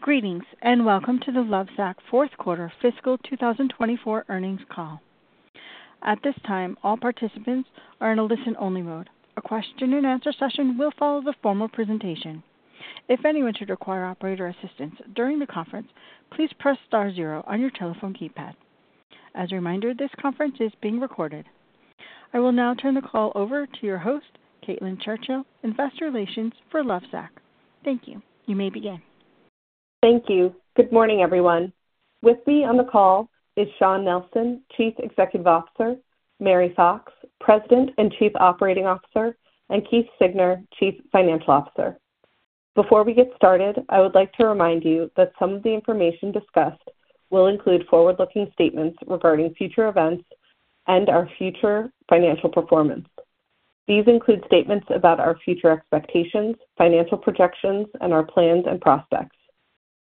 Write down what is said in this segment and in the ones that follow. Greetings and Welcome to the Lovesac Fourth Quarter Fiscal 2024 Earnings Call. At this time, all participants are in a listen-only mode. A question-and-answer session will follow the formal presentation. If anyone should require operator assistance during the conference, please press star zero on your telephone keypad. As a reminder, this conference is being recorded. I will now turn the call over to your host, Caitlin Churchill, Investor Relations for Lovesac. Thank you. You may begin. Thank you. Good morning, everyone. With me on the call is Shawn Nelson, Chief Executive Officer, Mary Fox, President and Chief Operating Officer, and Keith Siegner, Chief Financial Officer. Before we get started, I would like to remind you that some of the information discussed will include forward-looking statements regarding future events and our future financial performance. These include statements about our future expectations, financial projections, and our plans and prospects.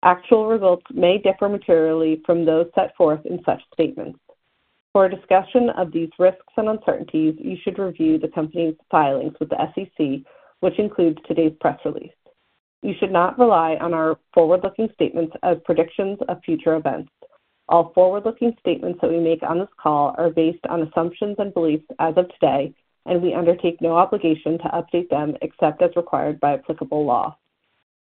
Actual results may differ materially from those set forth in such statements. For a discussion of these risks and uncertainties, you should review the company's filings with the SEC, which includes today's press release. You should not rely on our forward-looking statements as predictions of future events. All forward-looking statements that we make on this call are based on assumptions and beliefs as of today, and we undertake no obligation to update them except as required by applicable law.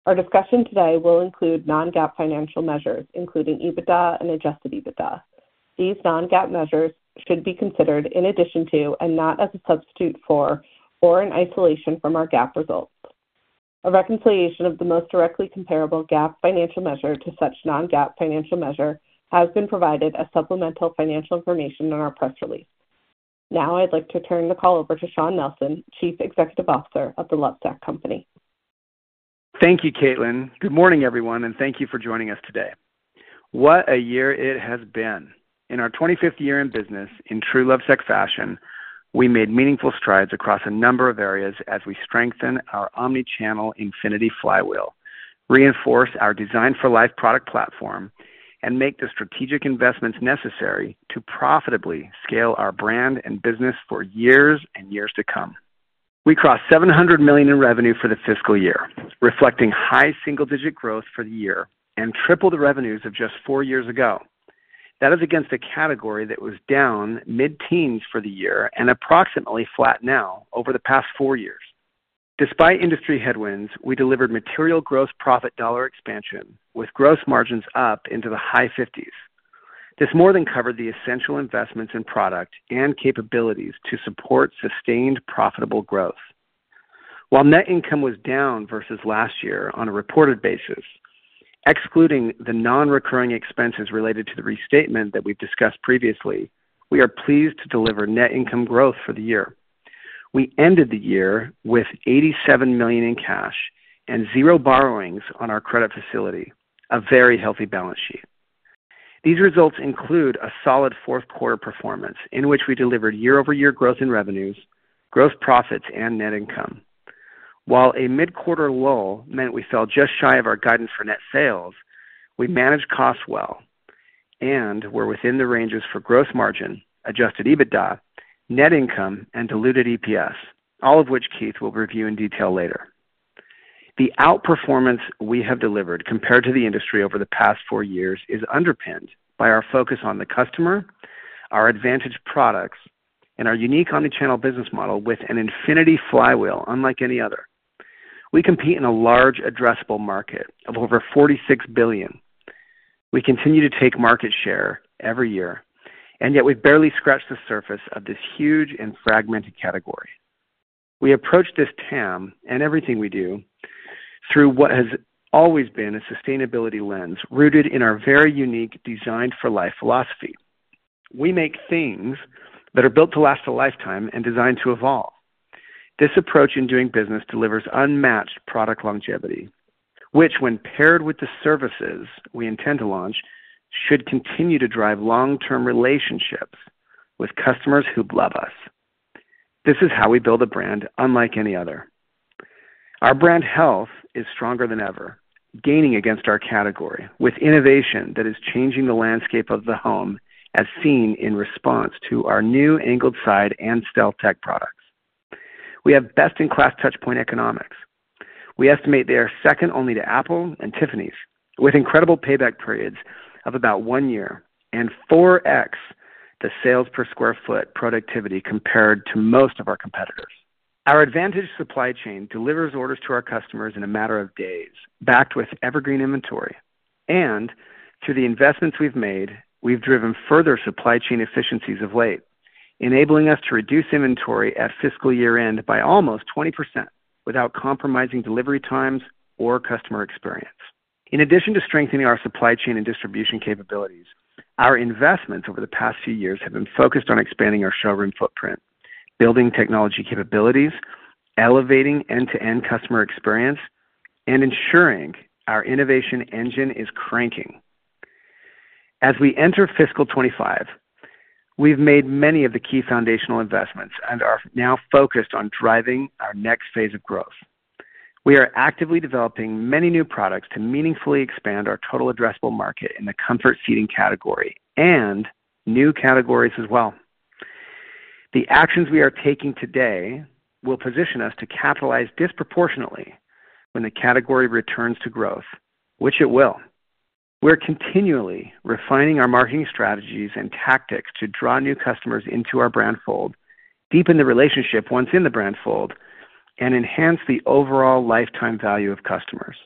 Our discussion today will include non-GAAP financial measures, including EBITDA and adjusted EBITDA. These non-GAAP measures should be considered in addition to and not as a substitute for or in isolation from our GAAP results. A reconciliation of the most directly comparable GAAP financial measure to such non-GAAP financial measure has been provided as supplemental financial information in our press release. Now I'd like to turn the call over to Shawn Nelson, Chief Executive Officer of the Lovesac Company. Thank you, Caitlin. Good morning, everyone, and thank you for joining us today. What a year it has been. In our 25th year in business, in true Lovesac fashion, we made meaningful strides across a number of areas as we strengthen our Omnichannel Infinity Flywheel, reinforce our Designed for Life product platform, and make the strategic investments necessary to profitably scale our brand and business for years and years to come. We crossed $700 million in revenue for the fiscal year, reflecting high single-digit growth for the year and tripled the revenues of just four years ago. That is against a category that was down mid-teens for the year and approximately flat now over the past four years. Despite industry headwinds, we delivered material gross profit dollar expansion, with gross margins up into the high 50s. This more than covered the essential investments in product and capabilities to support sustained profitable growth. While net income was down versus last year on a reported basis, excluding the non-recurring expenses related to the restatement that we've discussed previously, we are pleased to deliver net income growth for the year. We ended the year with $87 million in cash and zero borrowings on our credit facility, a very healthy balance sheet. These results include a solid fourth quarter performance in which we delivered year-over-year growth in revenues, gross profits, and net income. While a mid-quarter lull meant we fell just shy of our guidance for net sales, we managed costs well and were within the ranges for gross margin, adjusted EBITDA, net income, and diluted EPS, all of which Keith will review in detail later. The outperformance we have delivered compared to the industry over the past four years is underpinned by our focus on the customer, our advantaged products, and our unique Omnichannel business model with an Infinity Flywheel unlike any other. We compete in a large addressable market of over $46 billion. We continue to take market share every year, and yet we've barely scratched the surface of this huge and fragmented category. We approach this TAM and everything we do through what has always been a sustainability lens rooted in our very unique Designed for Life philosophy. We make things that are built to last a lifetime and designed to evolve. This approach in doing business delivers unmatched product longevity, which, when paired with the services we intend to launch, should continue to drive long-term relationships with customers who love us. This is how we build a brand unlike any other. Our brand health is stronger than ever, gaining against our category with innovation that is changing the landscape of the home as seen in response to our new Angled Side and StealthTech products. We have best-in-class touchpoint economics. We estimate they are second only to Apple and Tiffany's, with incredible payback periods of about one year and 4x the sales per sq ft productivity compared to most of our competitors. Our advantaged supply chain delivers orders to our customers in a matter of days, backed with evergreen inventory. Through the investments we've made, we've driven further supply chain efficiencies of late, enabling us to reduce inventory at fiscal year-end by almost 20% without compromising delivery times or customer experience. In addition to strengthening our supply chain and distribution capabilities, our investments over the past few years have been focused on expanding our showroom footprint, building technology capabilities, elevating end-to-end customer experience, and ensuring our innovation engine is cranking. As we enter fiscal 2025, we've made many of the key foundational investments and are now focused on driving our next phase of growth. We are actively developing many new products to meaningfully expand our total addressable market in the comfort seating category and new categories as well. The actions we are taking today will position us to capitalize disproportionately when the category returns to growth, which it will. We're continually refining our marketing strategies and tactics to draw new customers into our brand fold, deepen the relationship once in the brand fold, and enhance the overall lifetime value of customers.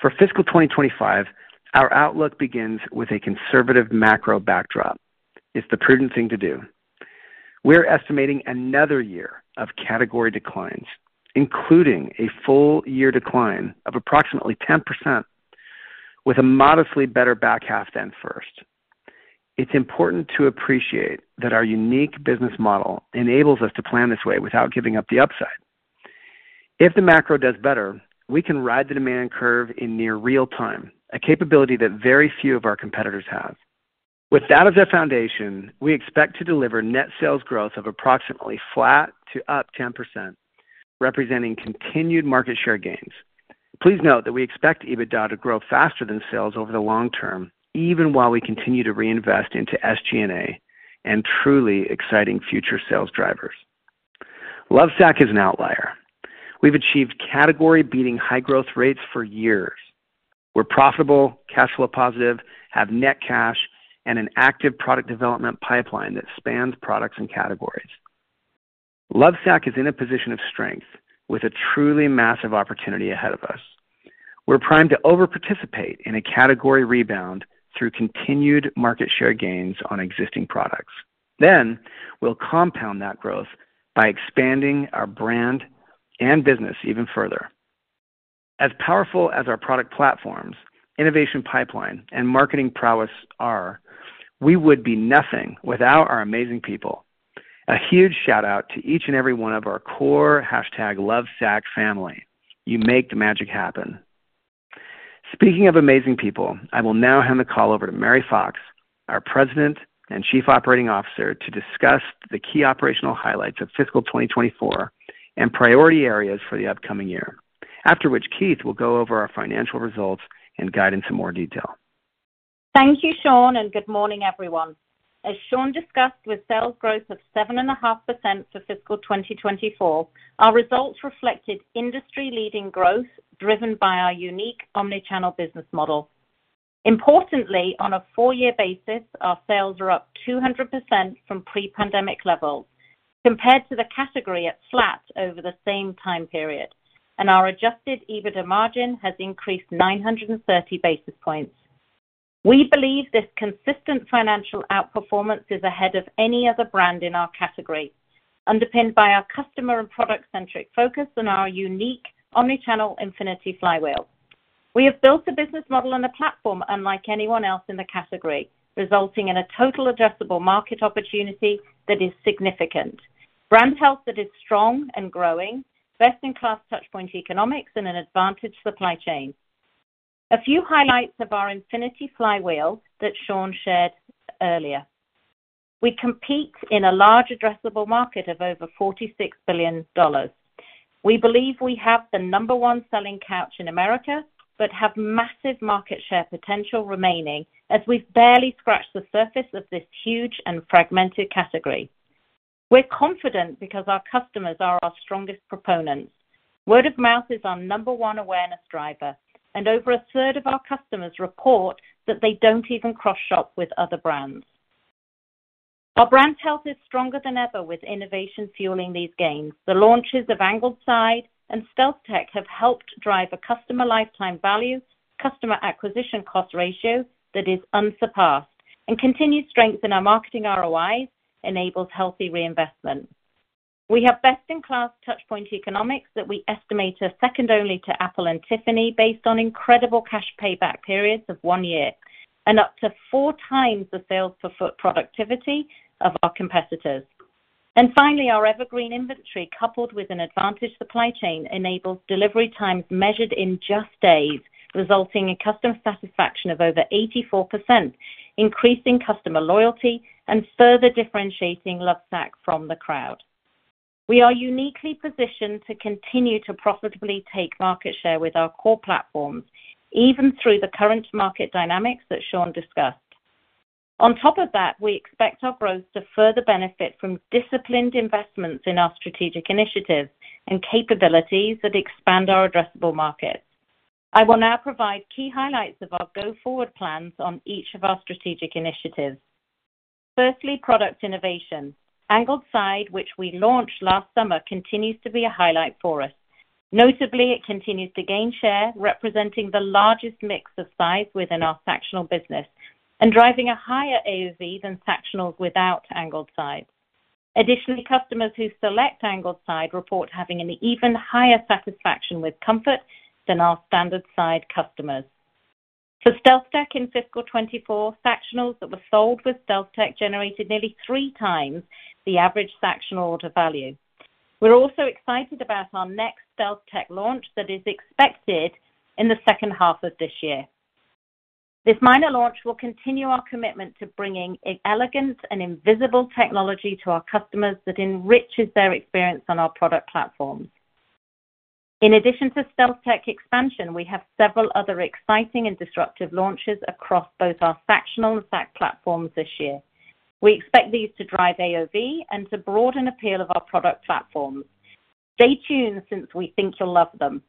For fiscal 2025, our outlook begins with a conservative macro backdrop. It's the prudent thing to do. We're estimating another year of category declines, including a full year decline of approximately 10%, with a modestly better back half than first. It's important to appreciate that our unique business model enables us to plan this way without giving up the upside. If the macro does better, we can ride the demand curve in near real time, a capability that very few of our competitors have. With that as a foundation, we expect to deliver net sales growth of approximately flat to +10%, representing continued market share gains. Please note that we expect EBITDA to grow faster than sales over the long term, even while we continue to reinvest into SG&A and truly exciting future sales drivers. Lovesac is an outlier. We've achieved category-beating high growth rates for years. We're profitable, cash flow positive, have net cash, and an active product development pipeline that spans products and categories. Lovesac is in a position of strength with a truly massive opportunity ahead of us. We're primed to over-participate in a category rebound through continued market share gains on existing products. Then we'll compound that growth by expanding our brand and business even further. As powerful as our product platforms, innovation pipeline, and marketing prowess are, we would be nothing without our amazing people. A huge shout-out to each and every one of our core #lovesac family. You make the magic happen. Speaking of amazing people, I will now hand the call over to Mary Fox, our President and Chief Operating Officer, to discuss the key operational highlights of fiscal 2024 and priority areas for the upcoming year, after which Keith will go over our financial results and guidance in some more detail. Thank you, Shawn, and good morning, everyone. As Shawn discussed, with sales growth of 7.5% for fiscal 2024, our results reflected industry-leading growth driven by our unique Omnichannel business model. Importantly, on a four-year basis, our sales are up 200% from pre-pandemic levels compared to the category at flat over the same time period, and our adjusted EBITDA margin has increased 930 basis points. We believe this consistent financial outperformance is ahead of any other brand in our category, underpinned by our customer and product-centric focus and our unique Omnichannel Infinity Flywheel. We have built a business model and a platform unlike anyone else in the category, resulting in a total addressable market opportunity that is significant, brand health that is strong and growing, best-in-class touchpoint economics, and an advantaged supply chain. A few highlights of our Infinity Flywheel that Shawn shared earlier. We compete in a large addressable market of over $46 billion. We believe we have the number one selling couch in America but have massive market share potential remaining as we've barely scratched the surface of this huge and fragmented category. We're confident because our customers are our strongest proponents. Word of mouth is our number one awareness driver, and over a third of our customers report that they don't even cross-shop with other brands. Our brand health is stronger than ever with innovation fueling these gains. The launches of Angled Side and StealthTech have helped drive a customer lifetime value/customer acquisition cost ratio that is unsurpassed, and continued strength in our marketing ROIs enables healthy reinvestment. We have best-in-class touchpoint economics that we estimate are second only to Apple and Tiffany based on incredible cash payback periods of 1 year and up to 4 times the sales per foot productivity of our competitors. Finally, our evergreen inventory coupled with an advantaged supply chain enables delivery times measured in just days, resulting in customer satisfaction of over 84%, increasing customer loyalty, and further differentiating Lovesac from the crowd. We are uniquely positioned to continue to profitably take market share with our core platforms, even through the current market dynamics that Shawn discussed. On top of that, we expect our growth to further benefit from disciplined investments in our strategic initiatives and capabilities that expand our addressable market. I will now provide key highlights of our go-forward plans on each of our strategic initiatives. Firstly, product innovation. Angled Side, which we launched last summer, continues to be a highlight for us. Notably, it continues to gain share, representing the largest mix of sides within our Sactionals business and driving a higher AOV than Sactionals without Angled Side. Additionally, customers who select Angled Side report having an even higher satisfaction with comfort than our standard side customers. For StealthTech in fiscal 2024, Sactionals that were sold with StealthTech generated nearly three times the average Sactionals order value. We're also excited about our next StealthTech launch that is expected in the second half of this year. This minor launch will continue our commitment to bringing elegance and invisible technology to our customers that enriches their experience on our product platforms. In addition to StealthTech expansion, we have several other exciting and disruptive launches across both our Sactionals and Sacs platforms this year. We expect these to drive AOV and to broaden appeal of our product platforms. Stay tuned since we think you'll love them.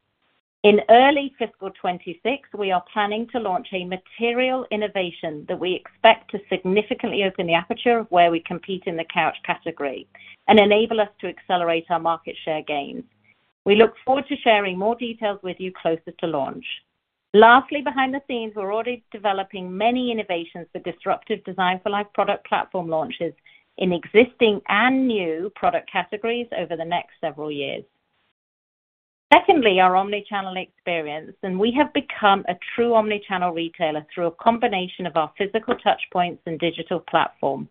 In early fiscal 2026, we are planning to launch a material innovation that we expect to significantly open the aperture of where we compete in the couch category and enable us to accelerate our market share gains. We look forward to sharing more details with you closer to launch. Lastly, behind the scenes, we're already developing many innovations for disruptive Designed for Life product platform launches in existing and new product categories over the next several years. Secondly, our Omnichannel experience, and we have become a true Omnichannel retailer through a combination of our physical touchpoints and digital platform.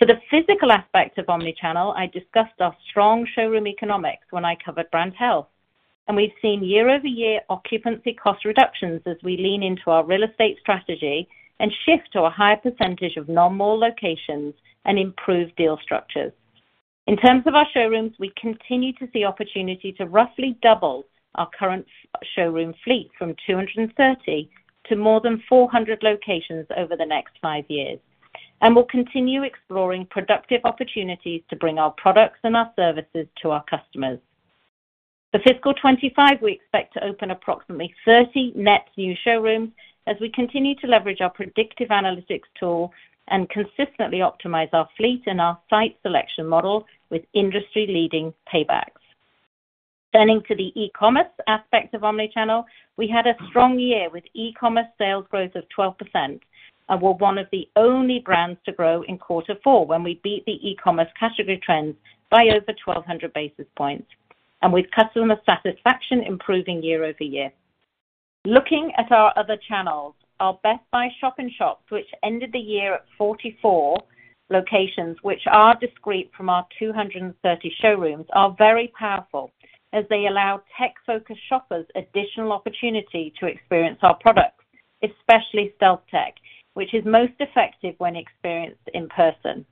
For the physical aspect of Omnichannel, I discussed our strong showroom economics when I covered brand health, and we've seen year-over-year occupancy cost reductions as we lean into our real estate strategy and shift to a higher percentage of non-mall locations and improve deal structures. In terms of our showrooms, we continue to see opportunity to roughly double our current showroom fleet from 230 to more than 400 locations over the next five years, and we'll continue exploring productive opportunities to bring our products and our services to our customers. For fiscal 2025, we expect to open approximately 30 net new showrooms as we continue to leverage our predictive analytics tool and consistently optimize our fleet and our site selection model with industry-leading paybacks. Turning to the e-commerce aspect of Omnichannel, we had a strong year with e-commerce sales growth of 12% and were one of the only brands to grow in quarter four when we beat the e-commerce category trends by over 1,200 basis points, and with customer satisfaction improving year-over-year. Looking at our other channels, our Best Buy shop-in-shops, which ended the year at 44 locations, which are discrete from our 230 showrooms, are very powerful as they allow tech-focused shoppers additional opportunity to experience our products, especially StealthTech, which is most effective when experienced in person.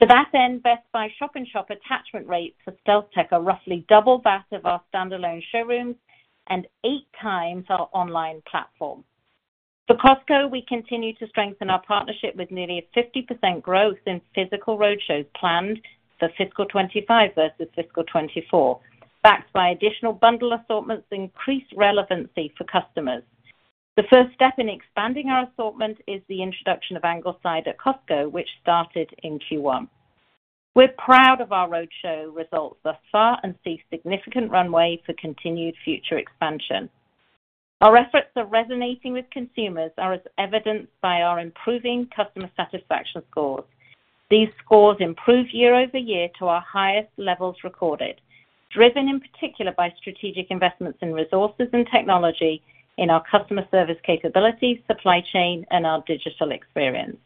To that end, Best Buy shop-in-shop attachment rates for StealthTech are roughly double that of our standalone showrooms and eight times our online platform. For Costco, we continue to strengthen our partnership with nearly 50% growth in physical roadshows planned for fiscal 2025 versus fiscal 2024, backed by additional bundle assortments that increase relevancy for customers. The first step in expanding our assortment is the introduction of Angled Side at Costco, which started in Q1. We're proud of our roadshow results thus far and see significant runway for continued future expansion. Our efforts for resonating with consumers are as evidenced by our improving customer satisfaction scores. These scores improve year-over-year to our highest levels recorded, driven in particular by strategic investments in resources and technology in our customer service capabilities, supply chain, and our digital experience.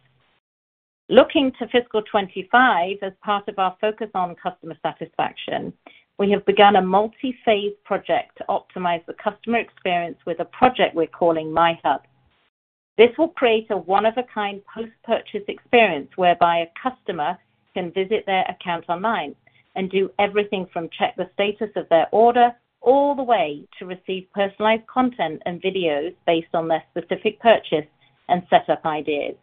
Looking to fiscal 2025 as part of our focus on customer satisfaction, we have begun a multi-phase project to optimize the customer experience with a project we're calling MyHub. This will create a one-of-a-kind post-purchase experience whereby a customer can visit their account online and do everything from check the status of their order all the way to receive personalized content and videos based on their specific purchase and setup ideas.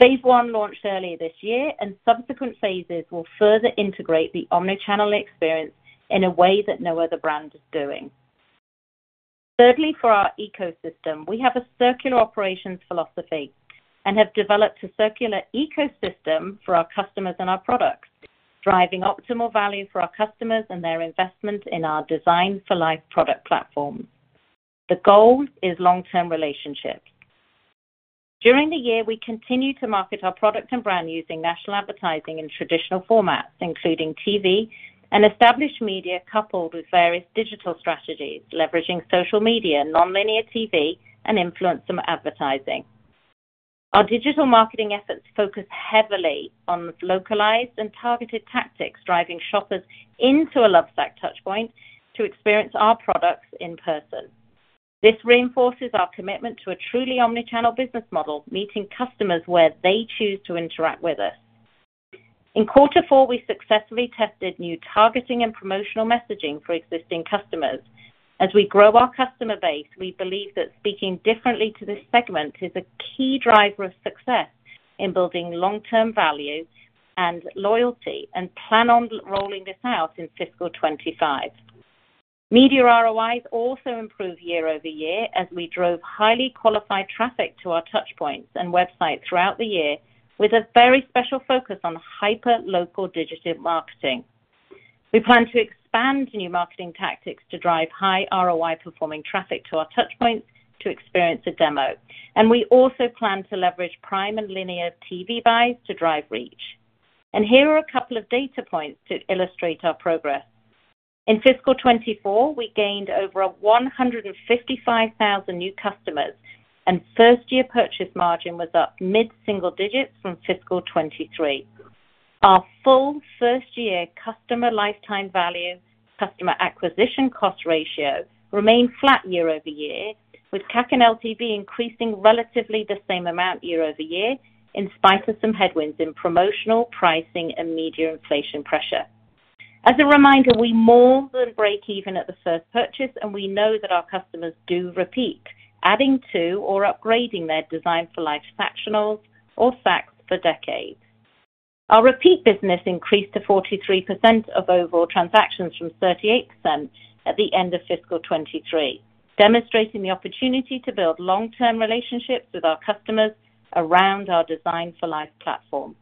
Phase one launched earlier this year, and subsequent phases will further integrate the omnichannel experience in a way that no other brand is doing. Thirdly, for our ecosystem, we have a circular operations philosophy and have developed a Circular Ecosystem for our customers and our products, driving optimal value for our customers and their investment in our Designed-for-Life product platforms. The goal is long-term relationships. During the year, we continue to market our product and brand using national advertising in traditional formats, including TV and established media, coupled with various digital strategies, leveraging social media, non-linear TV, and influencer advertising. Our digital marketing efforts focus heavily on localized and targeted tactics, driving shoppers into a Lovesac touchpoint to experience our products in person. This reinforces our commitment to a truly Omnichannel business model, meeting customers where they choose to interact with us. In quarter four, we successfully tested new targeting and promotional messaging for existing customers. As we grow our customer base, we believe that speaking differently to this segment is a key driver of success in building long-term value and loyalty and plan on rolling this out in fiscal 2025. Media ROIs also improve year-over-year as we drove highly qualified traffic to our touchpoints and website throughout the year with a very special focus on hyper-local digital marketing. We plan to expand new marketing tactics to drive high ROI-performing traffic to our touchpoints to experience a demo, and we also plan to leverage prime and linear TV buys to drive reach. Here are a couple of data points to illustrate our progress. In fiscal 2024, we gained over 155,000 new customers, and first-year purchase margin was up mid-single digits from fiscal 2023. Our full first-year customer lifetime value/customer acquisition cost ratio remained flat year-over-year, with CAC and LTV increasing relatively the same amount year-over-year in spite of some headwinds in promotional, pricing, and media inflation pressure. As a reminder, we more than break even at the first purchase, and we know that our customers do repeat, adding to or upgrading their Designed-for-Life Sactionals or Sacs for decades. Our repeat business increased to 43% of overall transactions from 38% at the end of fiscal 2023, demonstrating the opportunity to build long-term relationships with our customers around our design-for-life platform.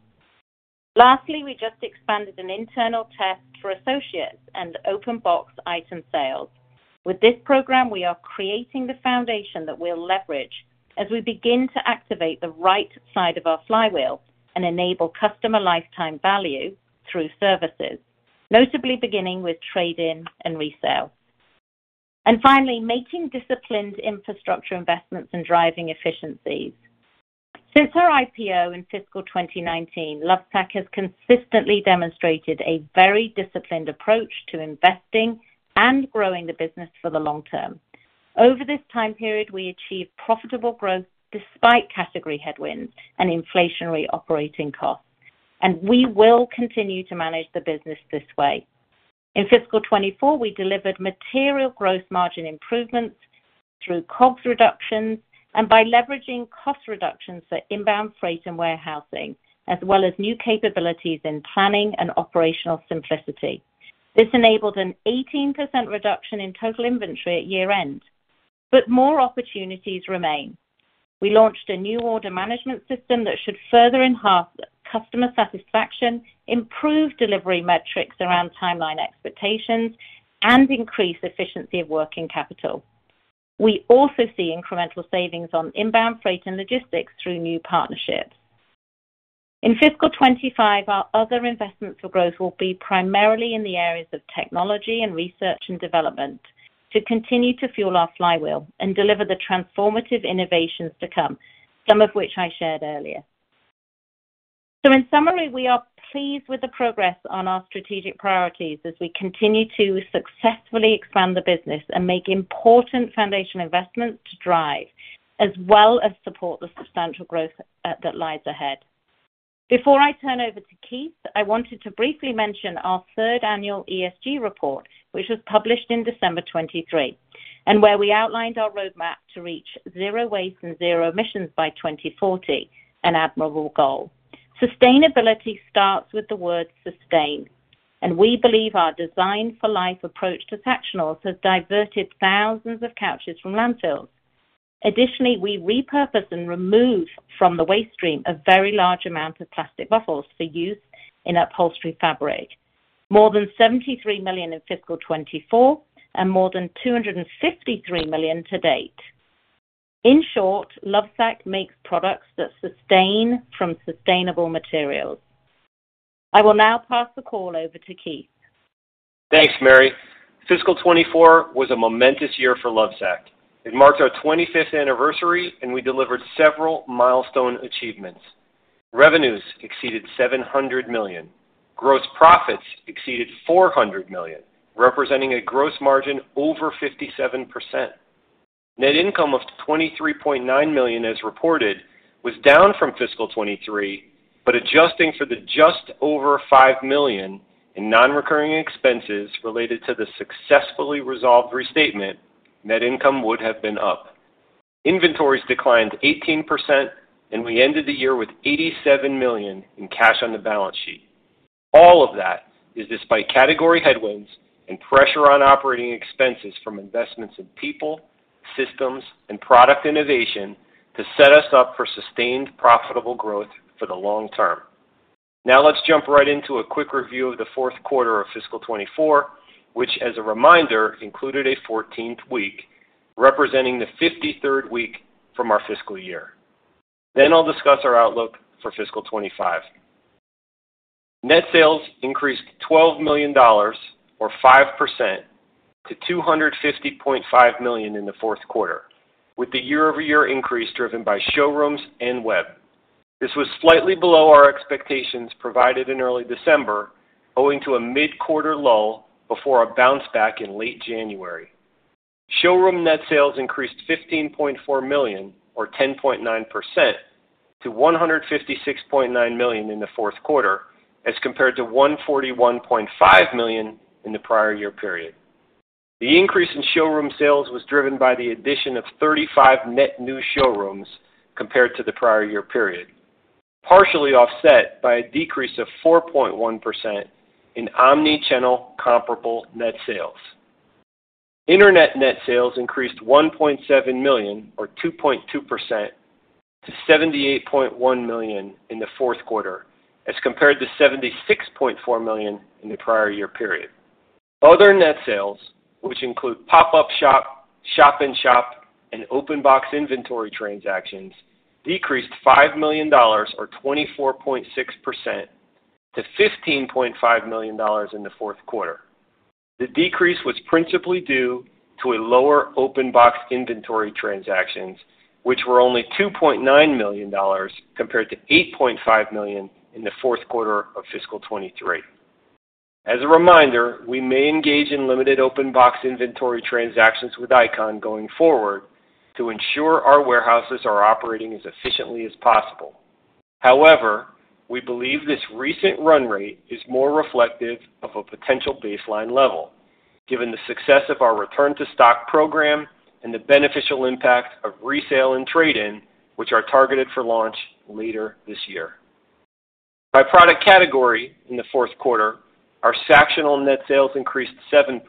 Lastly, we just expanded an internal test for associates and open-box item sales. With this program, we are creating the foundation that we'll leverage as we begin to activate the right side of our flywheel and enable customer lifetime value through services, notably beginning with trade-in and resale. And finally, making disciplined infrastructure investments and driving efficiencies. Since our IPO in fiscal 2019, Lovesac has consistently demonstrated a very disciplined approach to investing and growing the business for the long term. Over this time period, we achieved profitable growth despite category headwinds and inflationary operating costs, and we will continue to manage the business this way. In fiscal 2024, we delivered material gross margin improvements through COGS reductions and by leveraging cost reductions for inbound freight and warehousing, as well as new capabilities in planning and operational simplicity. This enabled an 18% reduction in total inventory at year-end. More opportunities remain. We launched a new order management system that should further enhance customer satisfaction, improve delivery metrics around timeline expectations, and increase efficiency of working capital. We also see incremental savings on inbound freight and logistics through new partnerships. In fiscal 2025, our other investments for growth will be primarily in the areas of technology and research and development to continue to fuel our flywheel and deliver the transformative innovations to come, some of which I shared earlier. So in summary, we are pleased with the progress on our strategic priorities as we continue to successfully expand the business and make important foundational investments to drive as well as support the substantial growth that lies ahead. Before I turn over to Keith, I wanted to briefly mention our third annual ESG report, which was published in December 2023 and where we outlined our roadmap to reach zero waste and zero emissions by 2040, an admirable goal. Sustainability starts with the word sustain, and we believe our Designed for Life approach to Sactionals has diverted thousands of couches from landfills. Additionally, we repurpose and remove from the waste stream a very large amount of plastic bottles for use in upholstery fabric, more than 73 million in fiscal 2024 and more than 253 million to date. In short, Lovesac makes products that sustain from sustainable materials. I will now pass the call over to Keith. Thanks, Mary. Fiscal 2024 was a momentous year for Lovesac. It marked our 25th anniversary, and we delivered several milestone achievements. Revenues exceeded $700 million. Gross profits exceeded $400 million, representing a gross margin over 57%. Net income of $23.9 million, as reported, was down from fiscal 2023, but adjusting for the just over $5 million in non-recurring expenses related to the successfully resolved restatement, net income would have been up. Inventories declined 18%, and we ended the year with $87 million in cash on the balance sheet. All of that is despite category headwinds and pressure on operating expenses from investments in people, systems, and product innovation to set us up for sustained profitable growth for the long term. Now let's jump right into a quick review of the fourth quarter of fiscal 2024, which, as a reminder, included a 14th week, representing the 53rd week from our fiscal year. Then I'll discuss our outlook for fiscal 2025. Net sales increased $12 million, or 5%, to $250.5 million in the fourth quarter, with the year-over-year increase driven by showrooms and web. This was slightly below our expectations provided in early December, owing to a mid-quarter low before a bounce back in late January. Showroom net sales increased $15.4 million, or 10.9%, to $156.9 million in the fourth quarter as compared to $141.5 million in the prior year period. The increase in showroom sales was driven by the addition of 35 net new showrooms compared to the prior year period, partially offset by a decrease of 4.1% in Omnichannel comparable net sales. Internet net sales increased $1.7 million, or 2.2%, to $78.1 million in the fourth quarter as compared to $76.4 million in the prior year period. Other net sales, which include pop-up shop, shop-in-shop, and open-box inventory transactions, decreased $5 million, or 24.6%, to $15.5 million in the fourth quarter. The decrease was principally due to a lower open-box inventory transactions, which were only $2.9 million compared to $8.5 million in the fourth quarter of fiscal 2023. As a reminder, we may engage in limited open-box inventory transactions with ICON going forward to ensure our warehouses are operating as efficiently as possible. However, we believe this recent run rate is more reflective of a potential baseline level given the success of our return-to-stock program and the beneficial impact of resale and trade-in, which are targeted for launch later this year. By product category in the fourth quarter, our Sactionals net sales increased 7%.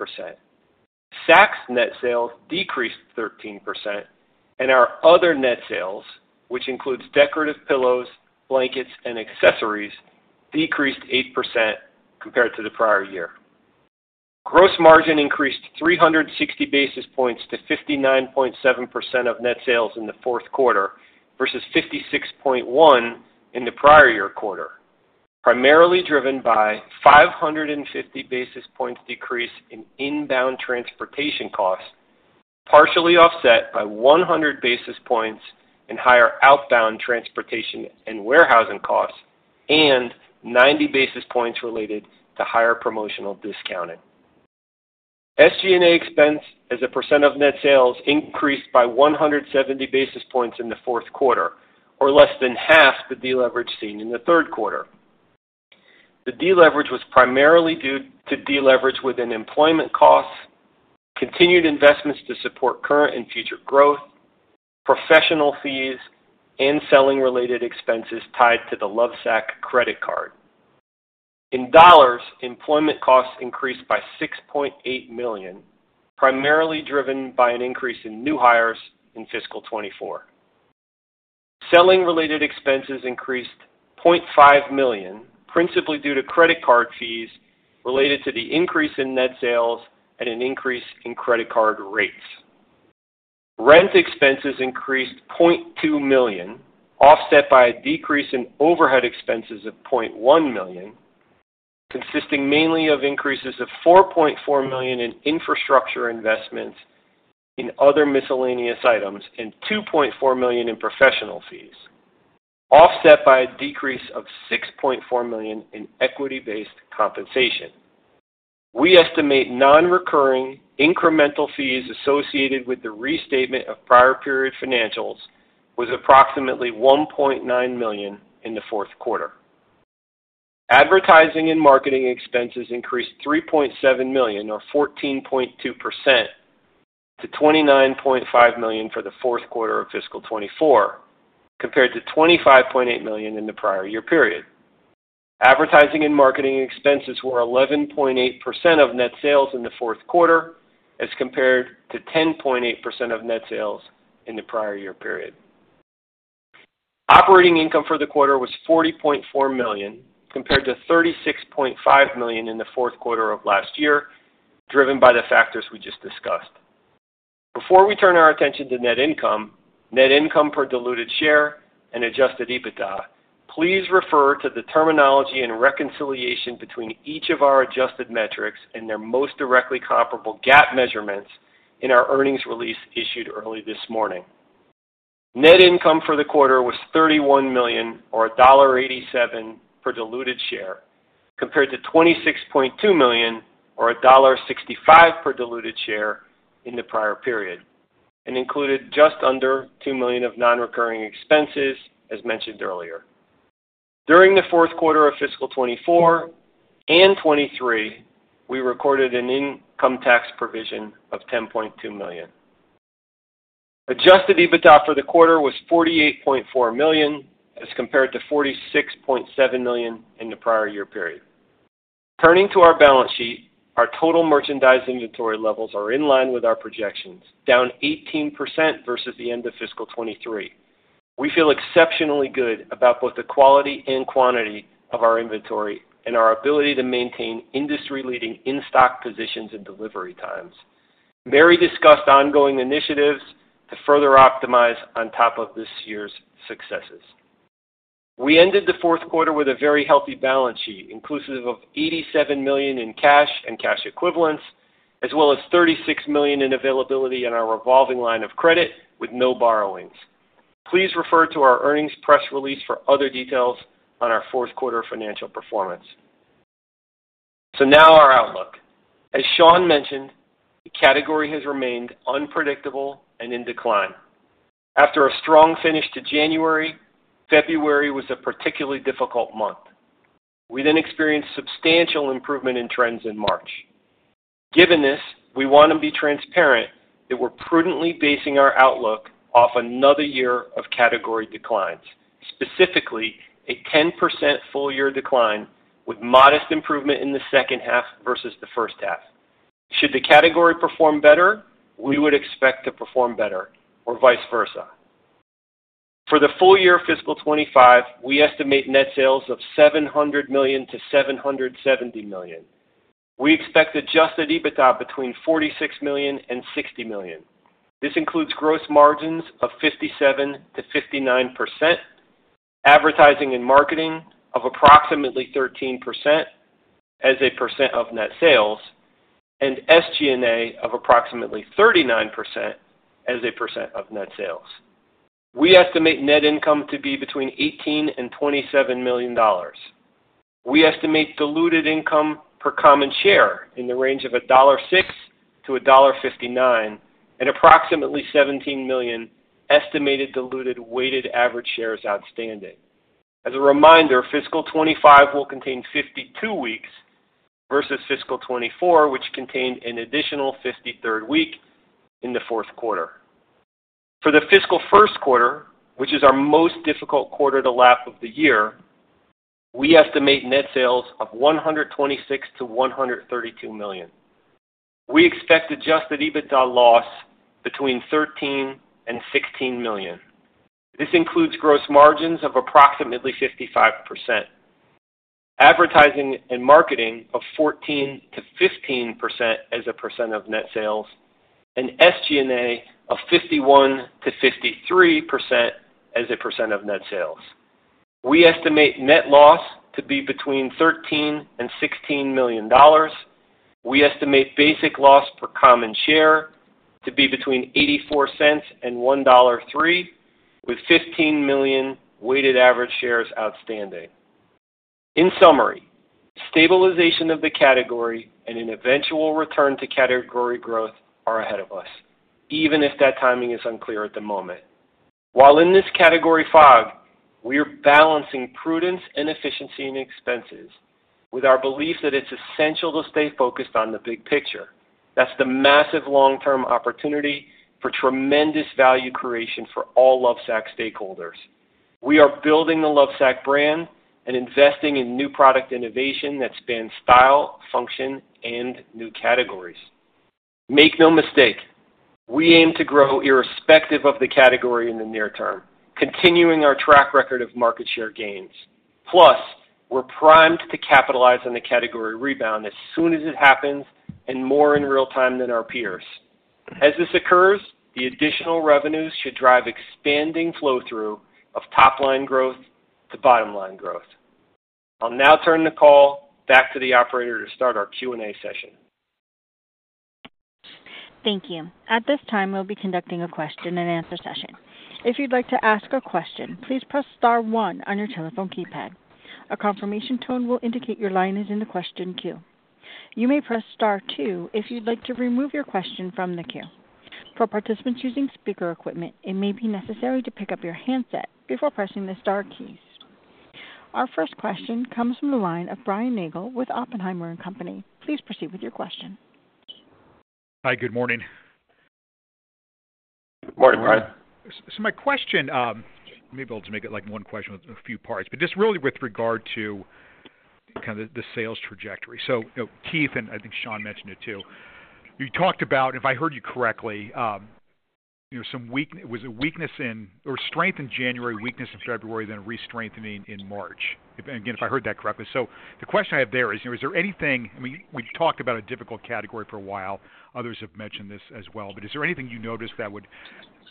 Sacs net sales decreased 13%, and our other net sales, which includes decorative pillows, blankets, and accessories, decreased 8% compared to the prior year. Gross margin increased 360 basis points to 59.7% of net sales in the fourth quarter versus 56.1% in the prior year quarter, primarily driven by 550 basis points decrease in inbound transportation costs, partially offset by 100 basis points in higher outbound transportation and warehousing costs, and 90 basis points related to higher promotional discounting. SG&A expense, as a percent of net sales, increased by 170 basis points in the fourth quarter, or less than half the deleverage seen in the third quarter. The deleverage was primarily due to deleverage within employment costs, continued investments to support current and future growth, professional fees, and selling-related expenses tied to the Lovesac credit card. In dollars, employment costs increased by $6.8 million, primarily driven by an increase in new hires in fiscal 2024. Selling-related expenses increased $0.5 million, principally due to credit card fees related to the increase in net sales and an increase in credit card rates. Rent expenses increased $0.2 million, offset by a decrease in overhead expenses of $0.1 million, consisting mainly of increases of $4.4 million in infrastructure investments in other miscellaneous items and $2.4 million in professional fees, offset by a decrease of $6.4 million in equity-based compensation. We estimate non-recurring incremental fees associated with the restatement of prior period financials was approximately $1.9 million in the fourth quarter. Advertising and marketing expenses increased $3.7 million, or 14.2%, to $29.5 million for the fourth quarter of fiscal 2024 compared to $25.8 million in the prior year period. Advertising and marketing expenses were 11.8% of net sales in the fourth quarter as compared to 10.8% of net sales in the prior year period. Operating income for the quarter was $40.4 million compared to $36.5 million in the fourth quarter of last year, driven by the factors we just discussed. Before we turn our attention to net income, net income per diluted share, and adjusted EBITDA, please refer to the terminology and reconciliation between each of our adjusted metrics and their most directly comparable GAAP measurements in our earnings release issued early this morning. Net income for the quarter was $31 million, or $1.87, per diluted share compared to $26.2 million, or $1.65, per diluted share in the prior period and included just under $2 million of non-recurring expenses, as mentioned earlier. During the fourth quarter of fiscal 2024 and 2023, we recorded an income tax provision of $10.2 million. Adjusted EBITDA for the quarter was $48.4 million as compared to $46.7 million in the prior year period. Turning to our balance sheet, our total merchandise inventory levels are in line with our projections, down 18% versus the end of fiscal 2023. We feel exceptionally good about both the quality and quantity of our inventory and our ability to maintain industry-leading in-stock positions and delivery times. Mary discussed ongoing initiatives to further optimize on top of this year's successes. We ended the fourth quarter with a very healthy balance sheet inclusive of $87 million in cash and cash equivalents, as well as $36 million in availability in our revolving line of credit with no borrowings. Please refer to our earnings press release for other details on our fourth quarter financial performance. Now our outlook. As Shawn mentioned, the category has remained unpredictable and in decline. After a strong finish to January, February was a particularly difficult month. We then experienced substantial improvement in trends in March. Given this, we want to be transparent that we're prudently basing our outlook off another year of category declines, specifically a 10% full-year decline with modest improvement in the second half versus the first half. Should the category perform better, we would expect to perform better, or vice versa. For the full year fiscal 2025, we estimate net sales of $700 million-$770 million. We expect Adjusted EBITDA between $46 million and $60 million. This includes gross margins of 57%-59%, advertising and marketing of approximately 13% as a percent of net sales, and SG&A of approximately 39% as a percent of net sales. We estimate net income to be between $18 million and $27 million. We estimate diluted income per common share in the range of $1.06-$1.59 and approximately 17 million estimated diluted weighted average shares outstanding. As a reminder, fiscal 2025 will contain 52 weeks versus fiscal 2024, which contained an additional 53rd week in the fourth quarter. For the fiscal first quarter, which is our most difficult quarter to lap of the year, we estimate net sales of $126 million-$132 million. We expect Adjusted EBITDA loss between $13 million and $16 million. This includes gross margins of approximately 55%, advertising and marketing of 14%-15% as a percent of net sales, and SG&A of 51%-53% as a percent of net sales. We estimate net loss to be between $13 million and $16 million. We estimate basic loss per common share to be between $0.84 and $1.03, with 15 million weighted average shares outstanding. In summary, stabilization of the category and an eventual return to category growth are ahead of us, even if that timing is unclear at the moment. While in this category fog, we are balancing prudence and efficiency in expenses with our belief that it's essential to stay focused on the big picture. That's the massive long-term opportunity for tremendous value creation for all Lovesac stakeholders. We are building the Lovesac brand and investing in new product innovation that spans style, function, and new categories. Make no mistake, we aim to grow irrespective of the category in the near term, continuing our track record of market share gains. Plus, we're primed to capitalize on the category rebound as soon as it happens and more in real time than our peers. As this occurs, the additional revenues should drive expanding flow-through of top-line growth to bottom-line growth. I'll now turn the call back to the operator to start our Q&A session. Thank you. At this time, we'll be conducting a question-and-answer session. If you'd like to ask a question, please press star one on your telephone keypad. A confirmation tone will indicate your line is in the question queue. You may press star two if you'd like to remove your question from the queue. For participants using speaker equipment, it may be necessary to pick up your handset before pressing the star keys. Our first question comes from the line of Brian Nagel with Oppenheimer & Co. Please proceed with your question. Hi. Good morning. Morning, Brian. So, my question—let me be able to make it one question with a few parts, but just really with regard to kind of the sales trajectory. So, Keith, and I think Shawn mentioned it too, you talked about, if I heard you correctly, some weakness—was it weakness in or strength in January, weakness in February, then restrengthening in March, again, if I heard that correctly. So, the question I have there is, is there anything—I mean, we talked about a difficult category for a while. Others have mentioned this as well. But is there anything you noticed that would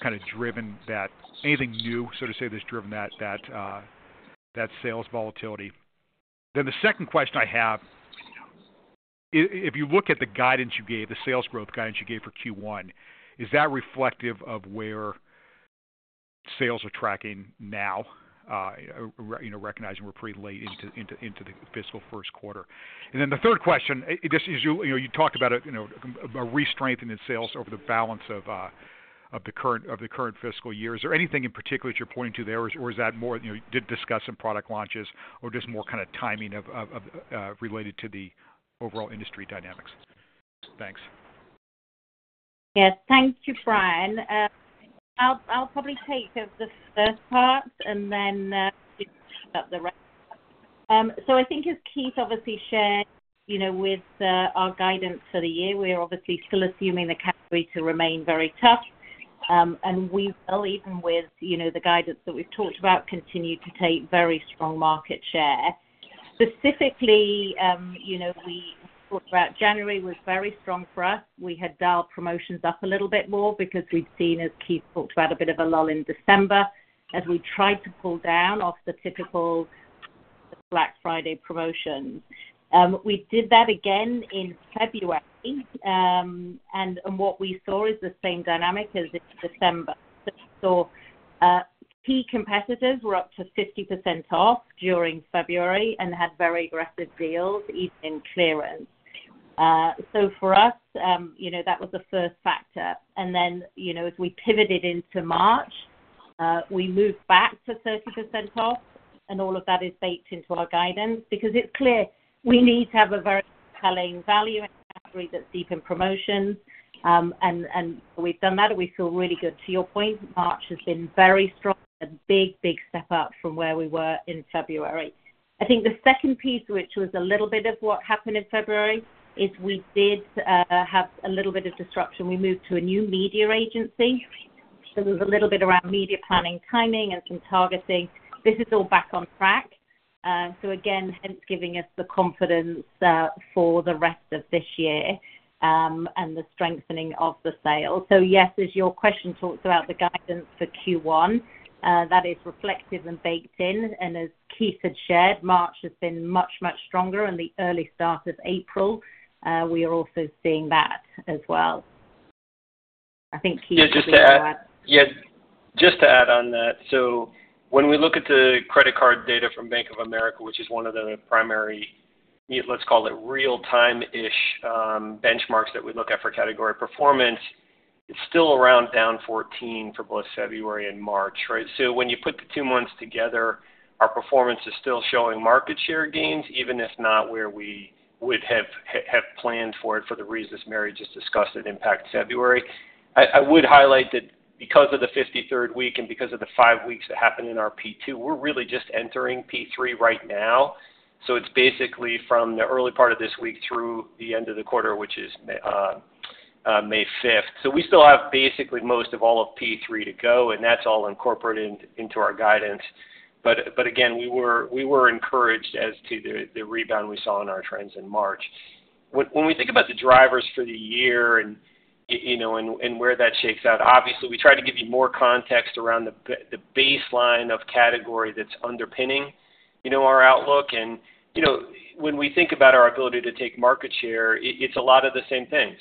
kind of driven that—anything new, so to say, that's driven that sales volatility? Then the second question I have, if you look at the guidance you gave, the sales growth guidance you gave for Q1, is that reflective of where sales are tracking now, recognizing we're pretty late into the fiscal first quarter? And then the third question, you talked about a restrengthening sales over the balance of the current fiscal year. Is there anything in particular that you're pointing to there, or is that more did discuss some product launches, or just more kind of timing related to the overall industry dynamics? Thanks. Yes. Thank you, Brian. I'll probably take the first part and then just about the rest. So I think, as Keith obviously shared with our guidance for the year, we're obviously still assuming the category to remain very tough. And we will, even with the guidance that we've talked about, continue to take very strong market share. Specifically, we talked about January was very strong for us. We had dialed promotions up a little bit more because we'd seen, as Keith talked about, a bit of a lull in December as we tried to pull down off the typical Black Friday promotions. We did that again in February. And what we saw is the same dynamic as in December. So we saw key competitors were up to 50% off during February and had very aggressive deals, even in clearance. So for us, that was the first factor. And then as we pivoted into March, we moved back to 30% off. And all of that is baked into our guidance because it's clear we need to have a very compelling value category that's deep in promotions. And we've done that, and we feel really good. To your point, March has been very strong, a big, big step up from where we were in February. I think the second piece, which was a little bit of what happened in February, is we did have a little bit of disruption. We moved to a new media agency. So there was a little bit around media planning, timing, and some targeting. This is all back on track. So again, hence giving us the confidence for the rest of this year and the strengthening of the sales. So yes, as your question talks about, the guidance for Q1, that is reflective and baked in. And as Keith had shared, March has been much, much stronger. And the early start of April, we are also seeing that as well. I think Keith was able to add. Yeah. Just to add on that, so when we look at the credit card data from Bank of America, which is one of the primary, let's call it, real-time-ish benchmarks that we look at for category performance, it's still around down 14 for both February and March, right? So when you put the two months together, our performance is still showing market share gains, even if not where we would have planned for it for the reasons Mary just discussed that impact February. I would highlight that because of the 53rd week and because of the five weeks that happened in our P2, we're really just entering P3 right now. So it's basically from the early part of this week through the end of the quarter, which is May 5th. So we still have basically most of all of P3 to go, and that's all incorporated into our guidance. But again, we were encouraged as to the rebound we saw in our trends in March. When we think about the drivers for the year and where that shakes out, obviously, we try to give you more context around the baseline of category that's underpinning our outlook. And when we think about our ability to take market share, it's a lot of the same things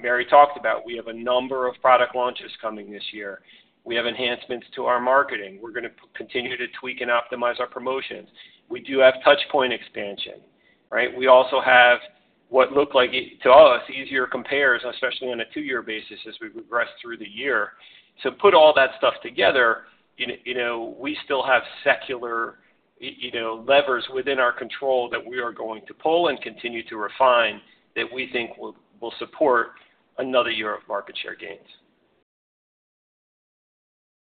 Mary talked about. We have a number of product launches coming this year. We have enhancements to our marketing. We're going to continue to tweak and optimize our promotions. We do have touchpoint expansion, right? We also have what looked like, to us, easier compares, especially on a two-year basis as we progressed through the year. So put all that stuff together, we still have secular levers within our control that we are going to pull and continue to refine that we think will support another year of market share gains.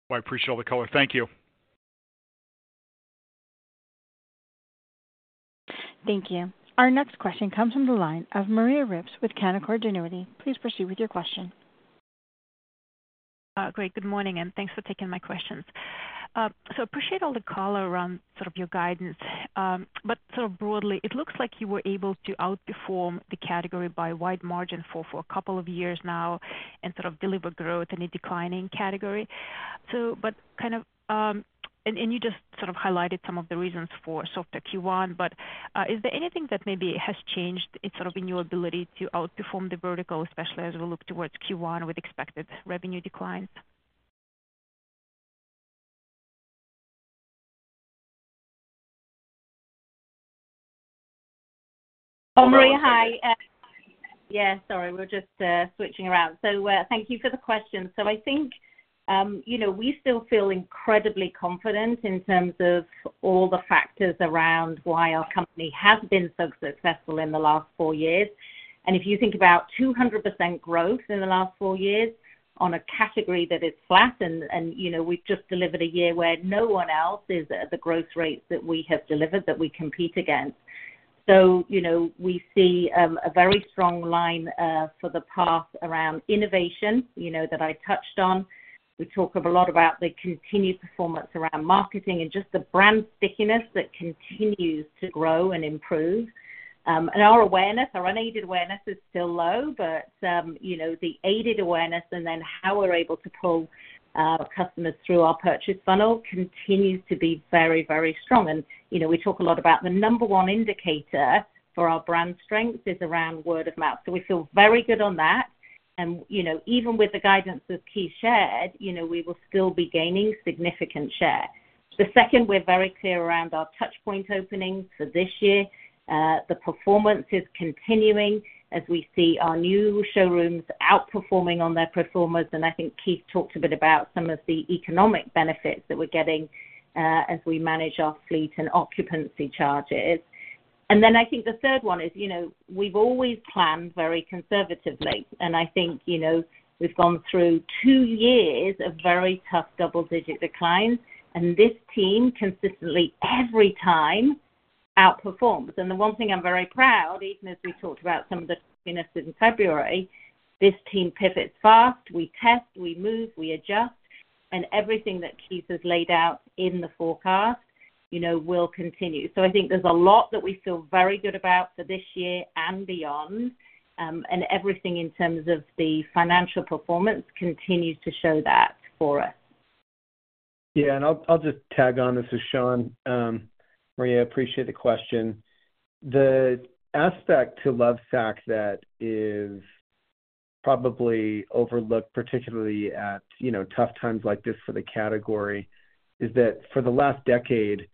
Well, I appreciate all the color. Thank you. Thank you. Our next question comes from the line of Maria Ripps with Canaccord Genuity. Please proceed with your question. Great. Good morning. And thanks for taking my questions. So I appreciate all the color around sort of your guidance. But sort of broadly, it looks like you were able to outperform the category by wide margin for a couple of years now and sort of deliver growth in a declining category. But kind of and you just sort of highlighted some of the reasons for softer Q1. But is there anything that maybe has changed sort of in your ability to outperform the vertical, especially as we look towards Q1 with expected revenue declines? Oh, Maria. Hi. Yes. Sorry. We're just switching around. So thank you for the question. So I think we still feel incredibly confident in terms of all the factors around why our company has been so successful in the last four years. And if you think about 200% growth in the last four years on a category that is flat, and we've just delivered a year where no one else is at the growth rates that we have delivered that we compete against. So we see a very strong line for the path around innovation that I touched on. We talk a lot about the continued performance around marketing and just the brand stickiness that continues to grow and improve. Our awareness, our unaided awareness, is still low. But the aided awareness and then how we're able to pull customers through our purchase funnel continues to be very, very strong. We talk a lot about the number one indicator for our brand strength is around word of mouth. So we feel very good on that. Even with the guidance that Keith shared, we will still be gaining significant share. The second, we're very clear around our touchpoint opening for this year. The performance is continuing as we see our new showrooms outperforming on their performers. I think Keith talked a bit about some of the economic benefits that we're getting as we manage our fleet and occupancy charges. Then I think the third one is we've always planned very conservatively. I think we've gone through two years of very tough double-digit declines. This team consistently, every time, outperforms. The one thing I'm very proud, even as we talked about some of the stickiness in February, this team pivots fast. We test, we move, we adjust. Everything that Keith has laid out in the forecast will continue. I think there's a lot that we feel very good about for this year and beyond. Everything in terms of the financial performance continues to show that for us. Yeah. I'll just tag on this as Shawn. Maria, I appreciate the question. The aspect to Lovesac that is probably overlooked, particularly at tough times like this for the category, is that for the last decade,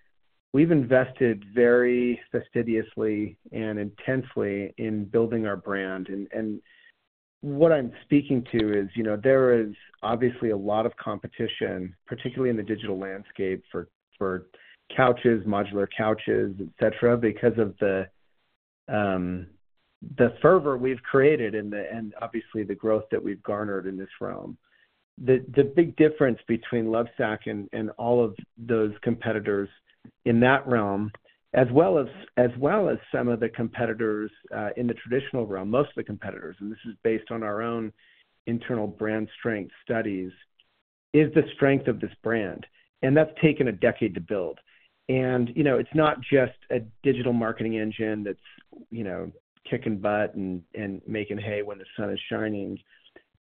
we've invested very fastidiously and intensely in building our brand. What I'm speaking to is there is obviously a lot of competition, particularly in the digital landscape for couches, modular couches, etc., because of the fervor we've created and obviously the growth that we've garnered in this realm. The big difference between Lovesac and all of those competitors in that realm, as well as some of the competitors in the traditional realm, most of the competitors - and this is based on our own internal brand strength studies - is the strength of this brand. That's taken a decade to build. It's not just a digital marketing engine that's kicking butt and making hay when the sun is shining,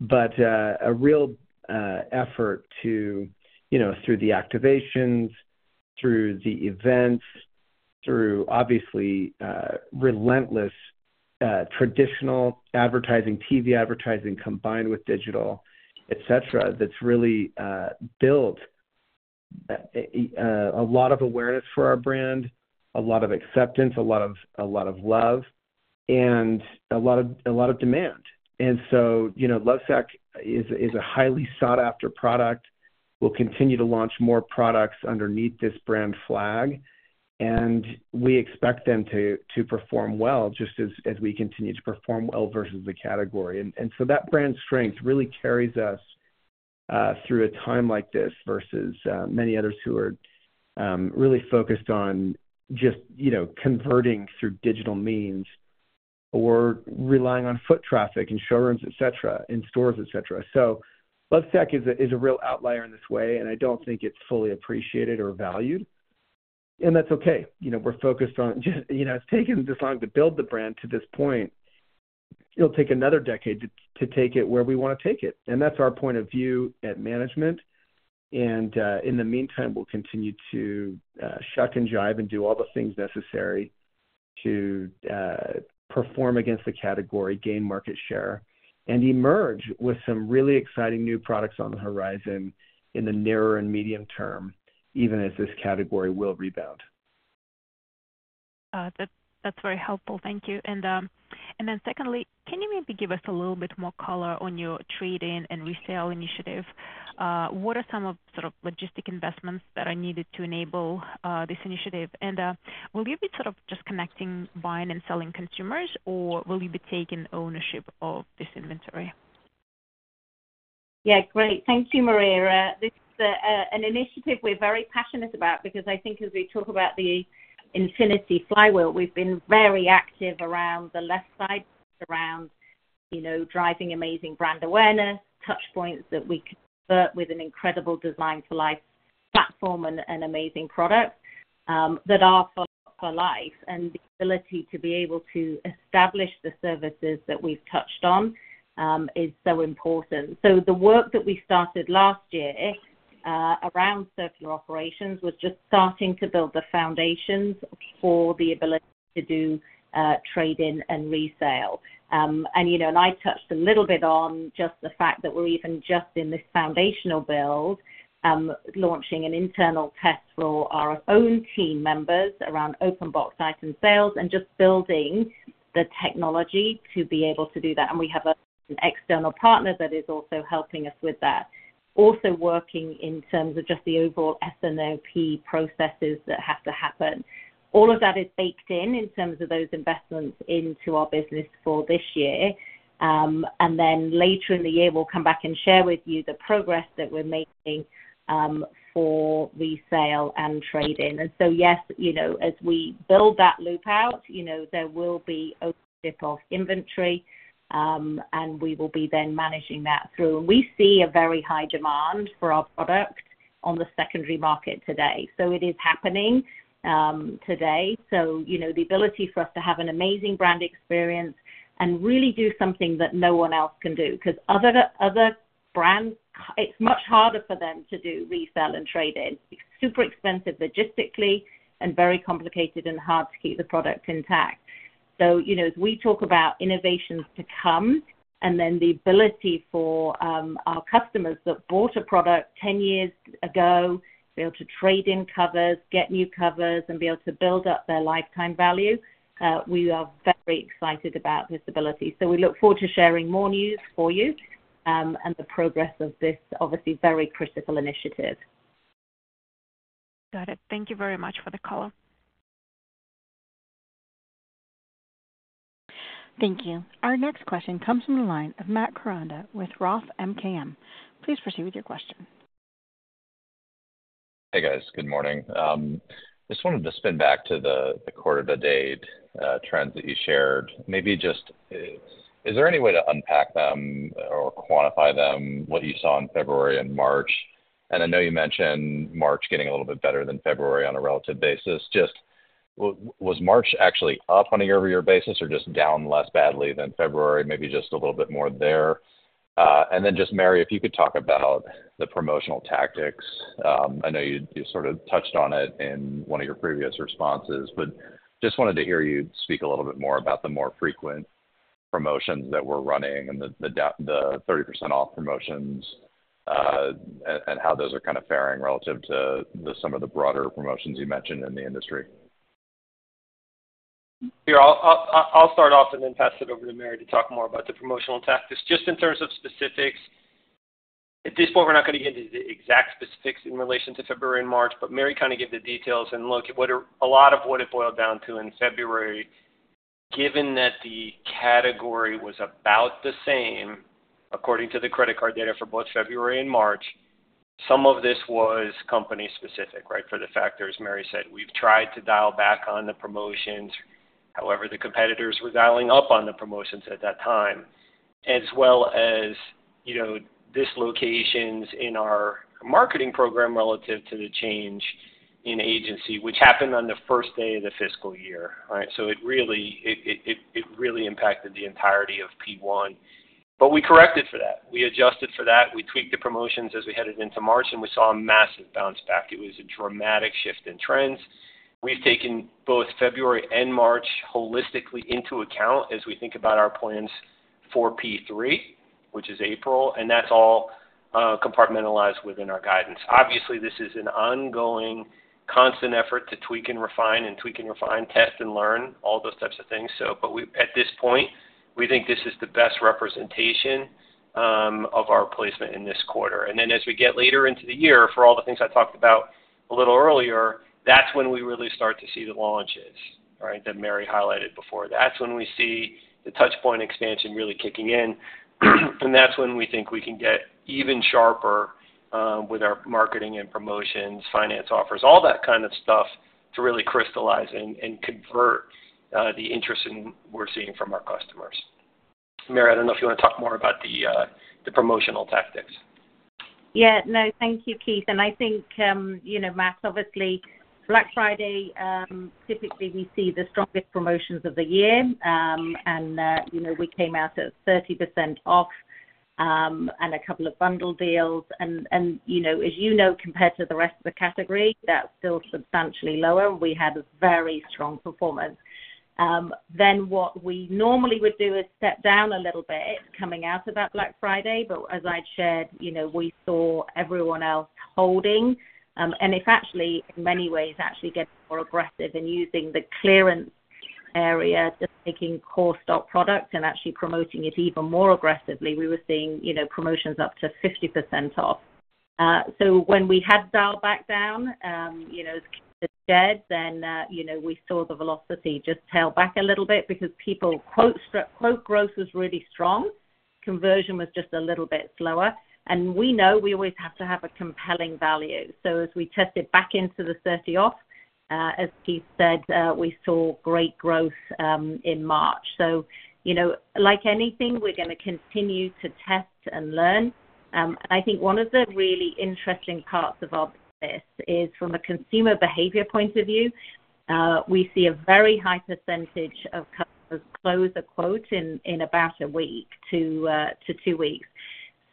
but a real effort through the activations, through the events, through obviously relentless traditional advertising, TV advertising combined with digital, etc., that's really built a lot of awareness for our brand, a lot of acceptance, a lot of love, and a lot of demand. Lovesac is a highly sought-after product. We'll continue to launch more products underneath this brand flag. We expect them to perform well just as we continue to perform well versus the category. That brand strength really carries us through a time like this versus many others who are really focused on just converting through digital means or relying on foot traffic in showrooms, etc., in stores, etc. Lovesac is a real outlier in this way. And I don't think it's fully appreciated or valued. And that's okay. We're focused on it's taken this long to build the brand to this point. It'll take another decade to take it where we want to take it. And that's our point of view at management. And in the meantime, we'll continue to shuck and jive and do all the things necessary to perform against the category, gain market share, and emerge with some really exciting new products on the horizon in the nearer and medium term, even as this category will rebound. That's very helpful. Thank you. And then secondly, can you maybe give us a little bit more color on your trading and resale initiative? What are some of sort of logistic investments that are needed to enable this initiative? Will you be sort of just connecting buying and selling consumers, or will you be taking ownership of this inventory? Yeah. Great. Thank you, Maria. This is an initiative we're very passionate about because I think, as we talk about the Infinity Flywheel, we've been very active around the left side, around driving amazing brand awareness, touchpoints that we convert with an incredible Designed for Life platform, and amazing products that are for life. And the ability to be able to establish the services that we've touched on is so important. So the work that we started last year around circular operations was just starting to build the foundations for the ability to do trading and resale. I touched a little bit on just the fact that we're even just in this foundational build, launching an internal test for our own team members around open box item sales and just building the technology to be able to do that. We have an external partner that is also helping us with that, also working in terms of just the overall S&OP processes that have to happen. All of that is baked in in terms of those investments into our business for this year. Then later in the year, we'll come back and share with you the progress that we're making for resale and trading. So yes, as we build that loop out, there will be ownership of inventory. We will be then managing that through. We see a very high demand for our product on the secondary market today. So it is happening today. So the ability for us to have an amazing brand experience and really do something that no one else can do because other brands, it's much harder for them to do resale and trading. It's super expensive logistically and very complicated and hard to keep the product intact. So as we talk about innovations to come and then the ability for our customers that bought a product 10 years ago, be able to trade in covers, get new covers, and be able to build up their lifetime value, we are very excited about this ability. So we look forward to sharing more news for you and the progress of this, obviously, very critical initiative. Got it. Thank you very much for the color. Thank you. Our next question comes from the line of Matt Koranda with Roth MKM. Please proceed with your question. Hey, guys. Good morning. I just wanted to spin back to the quarter-to-date trends that you shared. Is there any way to unpack them or quantify them, what you saw in February and March? And I know you mentioned March getting a little bit better than February on a relative basis. Was March actually up on a year-over-year basis or just down less badly than February, maybe just a little bit more there? And then just, Mary, if you could talk about the promotional tactics. I know you sort of touched on it in one of your previous responses, but just wanted to hear you speak a little bit more about the more frequent promotions that we're running and the 30% off promotions and how those are kind of faring relative to some of the broader promotions you mentioned in the industry. Sure. I'll start off and then pass it over to Mary to talk more about the promotional tactics. Just in terms of specifics, at this point, we're not going to get into the exact specifics in relation to February and March. But Mary kind of gave the details and looked at a lot of what it boiled down to in February. Given that the category was about the same, according to the credit card data for both February and March, some of this was company-specific, right, for the factors, Mary said. We've tried to dial back on the promotions, however, the competitors were dialing up on the promotions at that time, as well as dislocations in our marketing program relative to the change in agency, which happened on the first day of the fiscal year, right? So it really impacted the entirety of P1. But we corrected for that. We adjusted for that. We tweaked the promotions as we headed into March. We saw a massive bounce back. It was a dramatic shift in trends. We've taken both February and March holistically into account as we think about our plans for P3, which is April. That's all compartmentalized within our guidance. Obviously, this is an ongoing, constant effort to tweak and refine and tweak and refine, test and learn, all those types of things. At this point, we think this is the best representation of our placement in this quarter. Then as we get later into the year, for all the things I talked about a little earlier, that's when we really start to see the launches, right, that Mary highlighted before. That's when we see the touchpoint expansion really kicking in. That's when we think we can get even sharper with our marketing and promotions, finance offers, all that kind of stuff to really crystallize and convert the interest we're seeing from our customers. Mary, I don't know if you want to talk more about the promotional tactics. Yeah. No. Thank you, Keith. I think, Matt, obviously, Black Friday, typically, we see the strongest promotions of the year. And we came out at 30% off and a couple of bundle deals. And as you know, compared to the rest of the category, that's still substantially lower. We had a very strong performance. Then what we normally would do is step down a little bit coming out of that Black Friday. But as I'd shared, we saw everyone else holding and, in many ways, actually getting more aggressive and using the clearance area, just taking core stock products and actually promoting it even more aggressively. We were seeing promotions up to 50% off. So when we had dialed back down, as Keith had shared, then we saw the velocity just tail back a little bit because people, "growth was really strong. Conversion was just a little bit slower." And we know we always have to have a compelling value. So as we tested back into the 30% off, as Keith said, we saw great growth in March. So like anything, we're going to continue to test and learn. I think one of the really interesting parts of our business is, from a consumer behavior point of view, we see a very high percentage of customers close a quote in about a week to two weeks.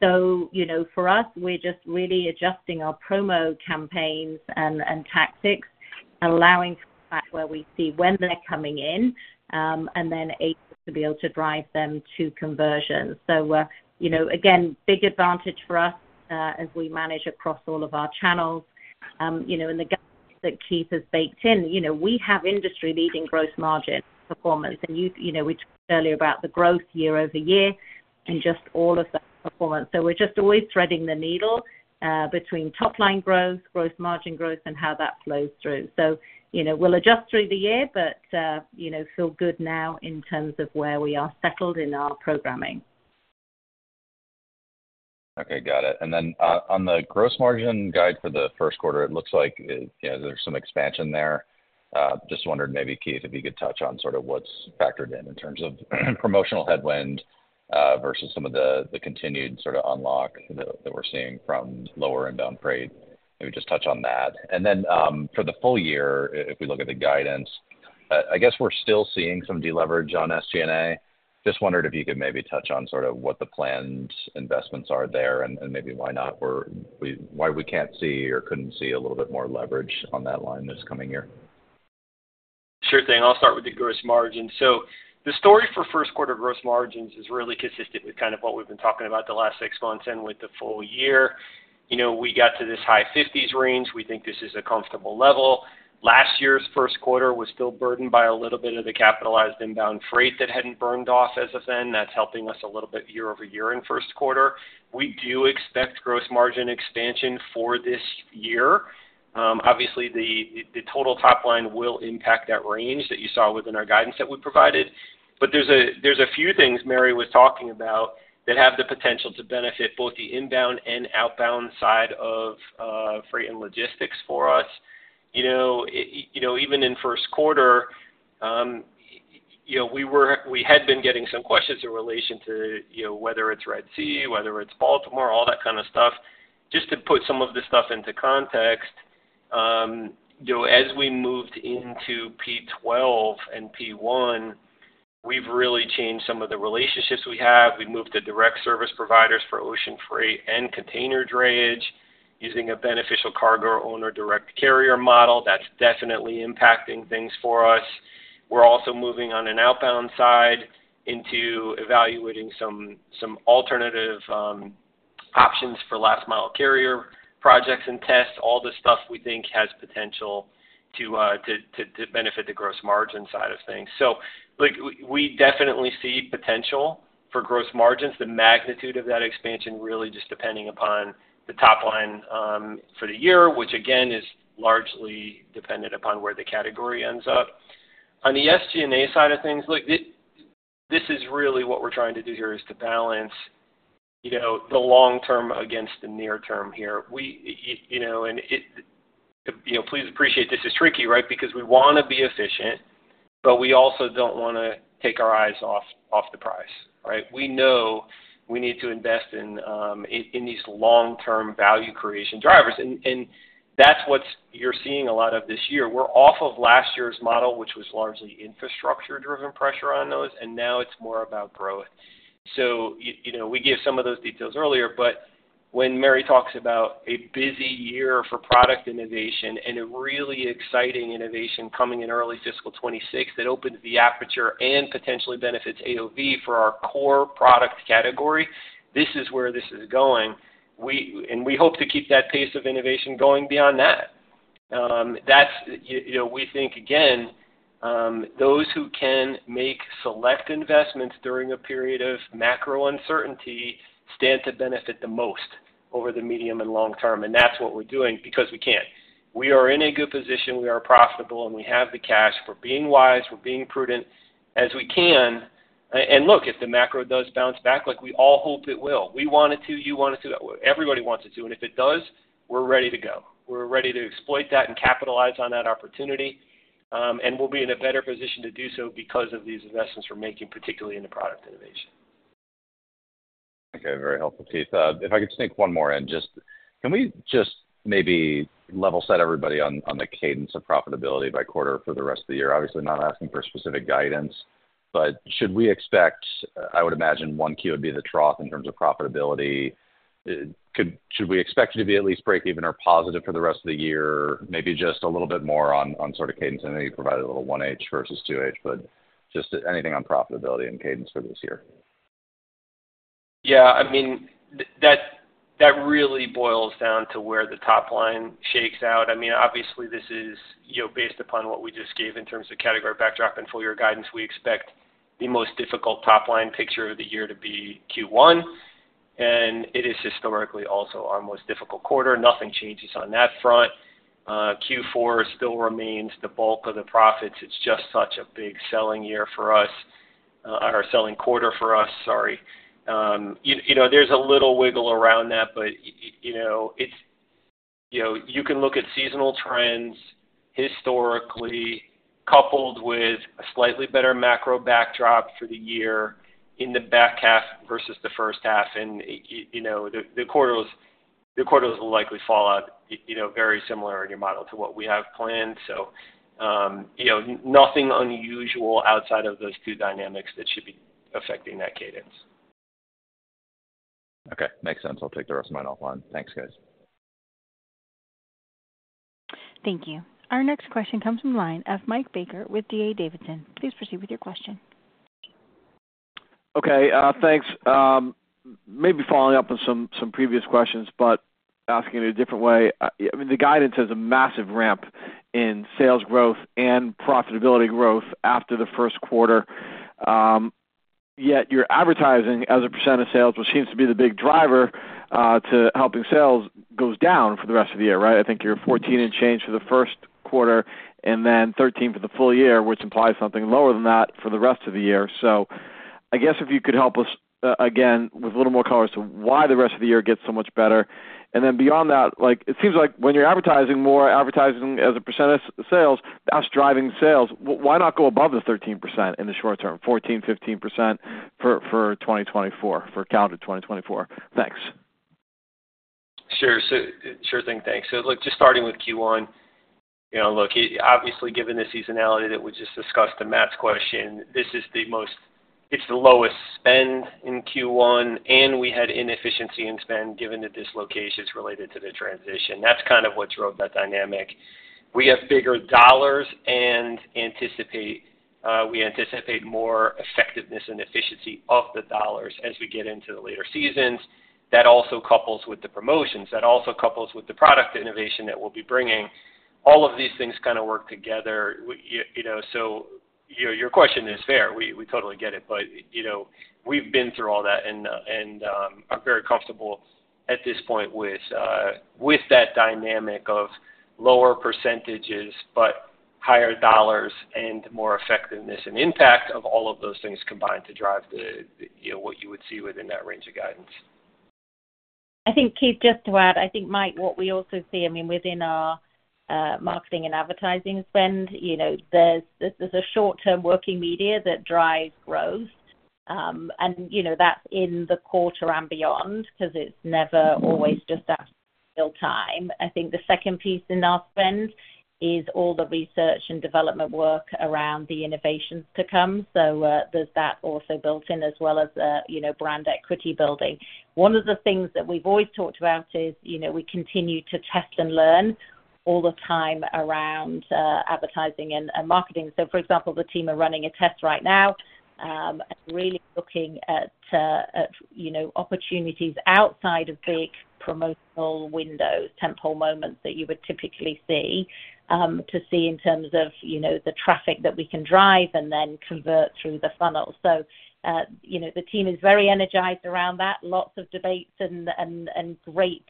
So for us, we're just really adjusting our promo campaigns and tactics, allowing for the fact where we see when they're coming in and then able to be able to drive them to conversion. So again, big advantage for us as we manage across all of our channels. And the guidance that Keith has baked in, we have industry-leading gross margin performance. And we talked earlier about the growth year-over-year and just all of that performance. So we're just always threading the needle between top-line growth, gross margin growth, and how that flows through. So we'll adjust through the year but feel good now in terms of where we are settled in our programming. Okay. Got it. And then on the gross margin guide for the first quarter, it looks like there's some expansion there. Just wondered maybe, Keith, if you could touch on sort of what's factored in in terms of promotional headwind versus some of the continued sort of unlock that we're seeing from lower inbound trade. Maybe just touch on that. And then for the full year, if we look at the guidance, I guess we're still seeing some deleverage on SG&A. Just wondered if you could maybe touch on sort of what the planned investments are there and maybe why we can't see or couldn't see a little bit more leverage on that line this coming year. Sure thing. I'll start with the gross margin. So the story for first-quarter gross margins is really consistent with kind of what we've been talking about the last six months and with the full year. We got to this high 50s range. We think this is a comfortable level. Last year's first quarter was still burdened by a little bit of the capitalized inbound freight that hadn't burned off as of then. That's helping us a little bit year-over-year in first quarter. We do expect gross margin expansion for this year. Obviously, the total top line will impact that range that you saw within our guidance that we provided. But there's a few things Mary was talking about that have the potential to benefit both the inbound and outbound side of freight and logistics for us. Even in first quarter, we had been getting some questions in relation to whether it's Red Sea, whether it's Baltimore, all that kind of stuff. Just to put some of this stuff into context, as we moved into P12 and P1, we've really changed some of the relationships we have. We've moved to direct service providers for ocean freight and container drayage using a beneficial cargo owner direct carrier model. That's definitely impacting things for us. We're also moving on an outbound side into evaluating some alternative options for last-mile carrier projects and tests. All this stuff we think has potential to benefit the gross margin side of things. So we definitely see potential for gross margins. The magnitude of that expansion, really, just depending upon the top line for the year, which again is largely dependent upon where the category ends up. On the SG&A side of things, this is really what we're trying to do here is to balance the long-term against the near-term here. And please appreciate this is tricky, right, because we want to be efficient, but we also don't want to take our eyes off the prize, right? We know we need to invest in these long-term value creation drivers. And that's what you're seeing a lot of this year. We're off of last year's model, which was largely infrastructure-driven pressure on those. And now it's more about growth. So we gave some of those details earlier. But when Mary talks about a busy year for product innovation and a really exciting innovation coming in early fiscal 2026 that opens the aperture and potentially benefits AOV for our core product category, this is where this is going. We hope to keep that pace of innovation going beyond that. We think, again, those who can make select investments during a period of macro uncertainty stand to benefit the most over the medium and long term. That's what we're doing because we can. We are in a good position. We are profitable. We have the cash. We're being wise. We're being prudent as we can. Look, if the macro does bounce back, we all hope it will. We want it to. You want it to. Everybody wants it to. If it does, we're ready to go. We're ready to exploit that and capitalize on that opportunity. We'll be in a better position to do so because of these investments we're making, particularly in the product innovation. Okay. Very helpful, Keith. If I could sneak one more in, can we just maybe level set everybody on the cadence of profitability by quarter for the rest of the year? Obviously, not asking for specific guidance. But should we expect? I would imagine Q1 would be the trough in terms of profitability. Should we expect it to be at least break-even or positive for the rest of the year? Maybe just a little bit more on sort of cadence. I know you provided a little 1H versus 2H, but just anything on profitability and cadence for this year. Yeah. I mean, that really boils down to where the top line shakes out. I mean, obviously, this is based upon what we just gave in terms of category backdrop and full-year guidance. We expect the most difficult top line picture of the year to be Q1. It is historically also our most difficult quarter. Nothing changes on that front. Q4 still remains the bulk of the profits. It's just such a big selling year for us or selling quarter for us, sorry. There's a little wiggle around that, but you can look at seasonal trends historically coupled with a slightly better macro backdrop for the year in the back half versus the first half. The quarters will likely fall out very similar in your model to what we have planned. So nothing unusual outside of those two dynamics that should be affecting that cadence. Okay. Makes sense. I'll take the rest of mine offline. Thanks, guys. Thank you. Our next question comes from the line of, Mike Baker with D.A. Davidson. Please proceed with your question. Okay. Thanks. Maybe following up on some previous questions but asking it a different way. I mean, the guidance has a massive ramp in sales growth and profitability growth after the first quarter. Yet your advertising as a percent of sales, which seems to be the big driver to helping sales, goes down for the rest of the year, right? I think you're 14% and change for the first quarter and then 13% for the full year, which implies something lower than that for the rest of the year. So I guess if you could help us, again, with a little more color as to why the rest of the year gets so much better. And then beyond that, it seems like when you're advertising more, advertising as a percent of sales, that's driving sales. Why not go above the 13% in the short term, 14%, 15% for calendar 2024? Thanks. Sure thing. Thanks. So, look, just starting with Q1, look, obviously, given the seasonality that we just discussed in Matt's question, this is the most. It's the lowest spend in Q1. And we had inefficiency in spend given the dislocations related to the transition. That's kind of what drove that dynamic. We have bigger dollars. And we anticipate more effectiveness and efficiency of the dollars as we get into the later seasons. That also couples with the promotions. That also couples with the product innovation that we'll be bringing. All of these things kind of work together. So your question is fair. We totally get it. But we've been through all that and are very comfortable at this point with that dynamic of lower percentages but higher dollars and more effectiveness and impact of all of those things combined to drive what you would see within that range of guidance. I think, Keith, just to add, I think, Mike, what we also see, I mean, within our marketing and advertising spend, there's a short-term working media that drives growth. That's in the quarter and beyond because it's never always just at real time. I think the second piece in our spend is all the research and development work around the innovations to come. There's that also built in as well as brand equity building. One of the things that we've always talked about is we continue to test and learn all the time around advertising and marketing. For example, the team are running a test right now and really looking at opportunities outside of big promotional windows, tentpole moments that you would typically see to see in terms of the traffic that we can drive and then convert through the funnel. So the team is very energized around that, lots of debates and great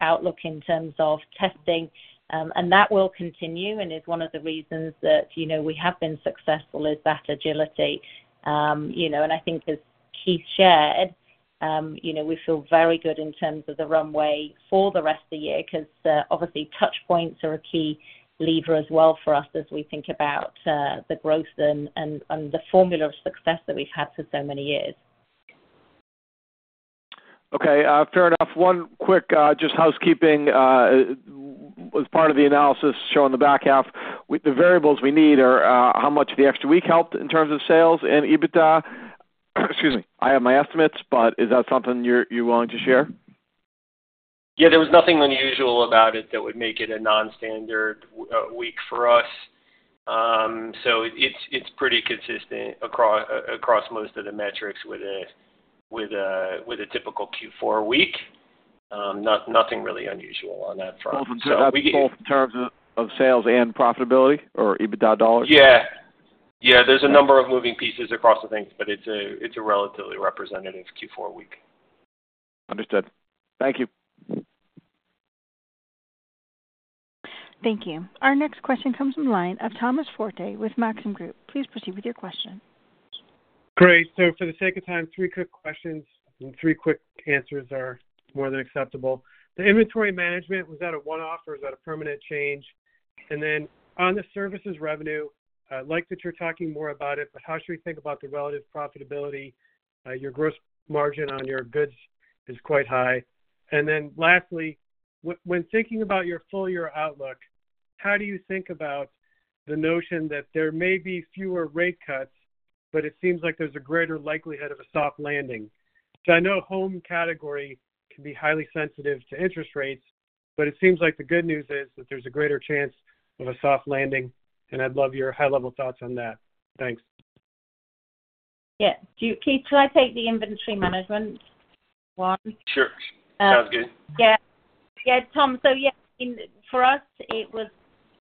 outlook in terms of testing. And that will continue and is one of the reasons that we have been successful is that agility. And I think, as Keith shared, we feel very good in terms of the runway for the rest of the year because, obviously, touchpoints are a key lever as well for us as we think about the growth and the formula of success that we've had for so many years. Okay. Fair enough. One quick just housekeeping as part of the analysis showing the back half, the variables we need are how much the extra week helped in terms of sales and EBITDA. Excuse me. I have my estimates, but is that something you're willing to share? Yeah. There was nothing unusual about it that would make it a nonstandard week for us. So it's pretty consistent across most of the metrics with a typical Q4 week. Nothing really unusual on that front. Both in terms of sales and profitability or EBITDA dollars? Yeah. Yeah. There's a number of moving pieces across the things, but it's a relatively representative Q4 week. Understood. Thank you. Thank you. Our next question comes from the line of, Thomas Forte with Maxim Group. Please proceed with your question. Great. So for the sake of time, three quick questions and three quick answers are more than acceptable. The inventory management, was that a one-off or was that a permanent change? And then on the services revenue, I'd like that you're talking more about it, but how should we think about the relative profitability? Your gross margin on your goods is quite high. And then lastly, when thinking about your full-year outlook, how do you think about the notion that there may be fewer rate cuts, but it seems like there's a greater likelihood of a soft landing? So I know home category can be highly sensitive to interest rates, but it seems like the good news is that there's a greater chance of a soft landing. And I'd love your high-level thoughts on that. Thanks. Yeah. Keith, shall I take the inventory management one? Sure. Sounds good. Yeah. Yeah, Tom. So yeah, I mean, for us, it was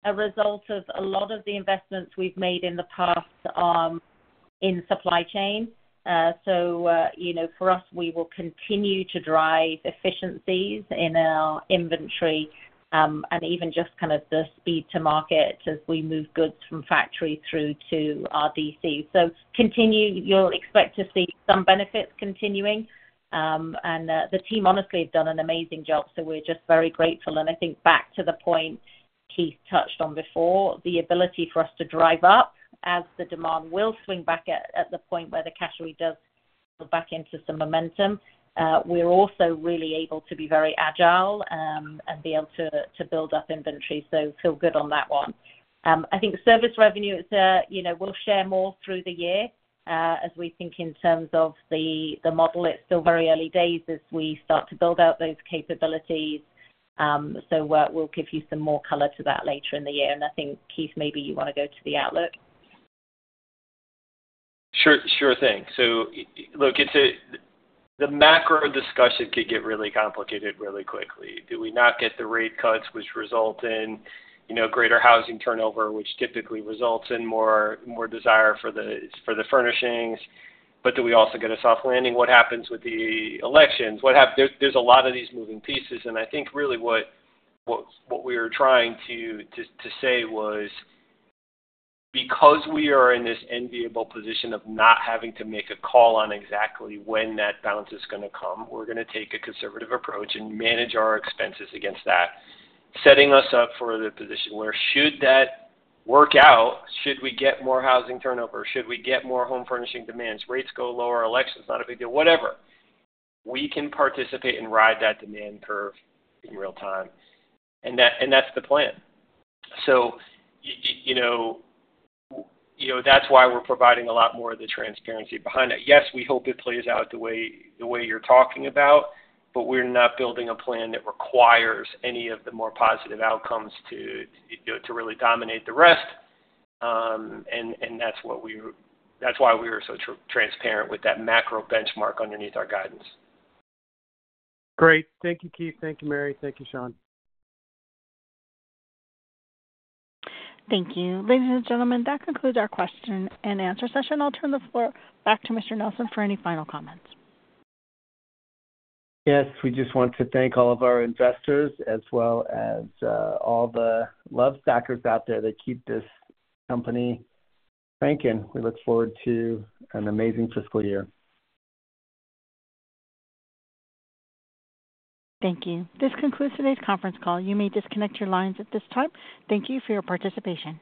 a result of a lot of the investments we've made in the past in supply chain. So for us, we will continue to drive efficiencies in our inventory and even just kind of the speed to market as we move goods from factory through to our DC. So you'll expect to see some benefits continuing. And the team, honestly, have done an amazing job. So we're just very grateful. And I think back to the point Keith touched on before, the ability for us to drive up as the demand will swing back at the point where the cash ready does build back into some momentum. We're also really able to be very agile and be able to build up inventory. So feel good on that one. I think service revenue, we'll share more through the year as we think in terms of the model. It's still very early days as we start to build out those capabilities. So we'll give you some more color to that later in the year. And I think, Keith, maybe you want to go to the outlook. Sure thing. So look, the macro discussion could get really complicated really quickly. Do we not get the rate cuts, which result in greater housing turnover, which typically results in more desire for the furnishings? But do we also get a soft landing? What happens with the elections? There's a lot of these moving pieces. And I think really what we were trying to say was because we are in this enviable position of not having to make a call on exactly when that bounce is going to come, we're going to take a conservative approach and manage our expenses against that, setting us up for the position where, should that work out, should we get more housing turnover? Should we get more home furnishing demands? Rates go lower. Election's not a big deal. Whatever, we can participate and ride that demand curve in real time. And that's the plan. So that's why we're providing a lot more of the transparency behind that. Yes, we hope it plays out the way you're talking about, but we're not building a plan that requires any of the more positive outcomes to really dominate the rest. That's why we were so transparent with that macro benchmark underneath our guidance. Great. Thank you, Keith. Thank you, Mary. Thank you, Shawn. Thank you. Ladies and gentlemen, that concludes our question and answer session. I'll turn the floor back to Mr. Nelson for any final comments. Yes. We just want to thank all of our investors as well as all the Lovesacers out there that keep this company thinking. We look forward to an amazing fiscal year. Thank you. This concludes today's conference call. You may disconnect your lines at this time. Thank you for your participation.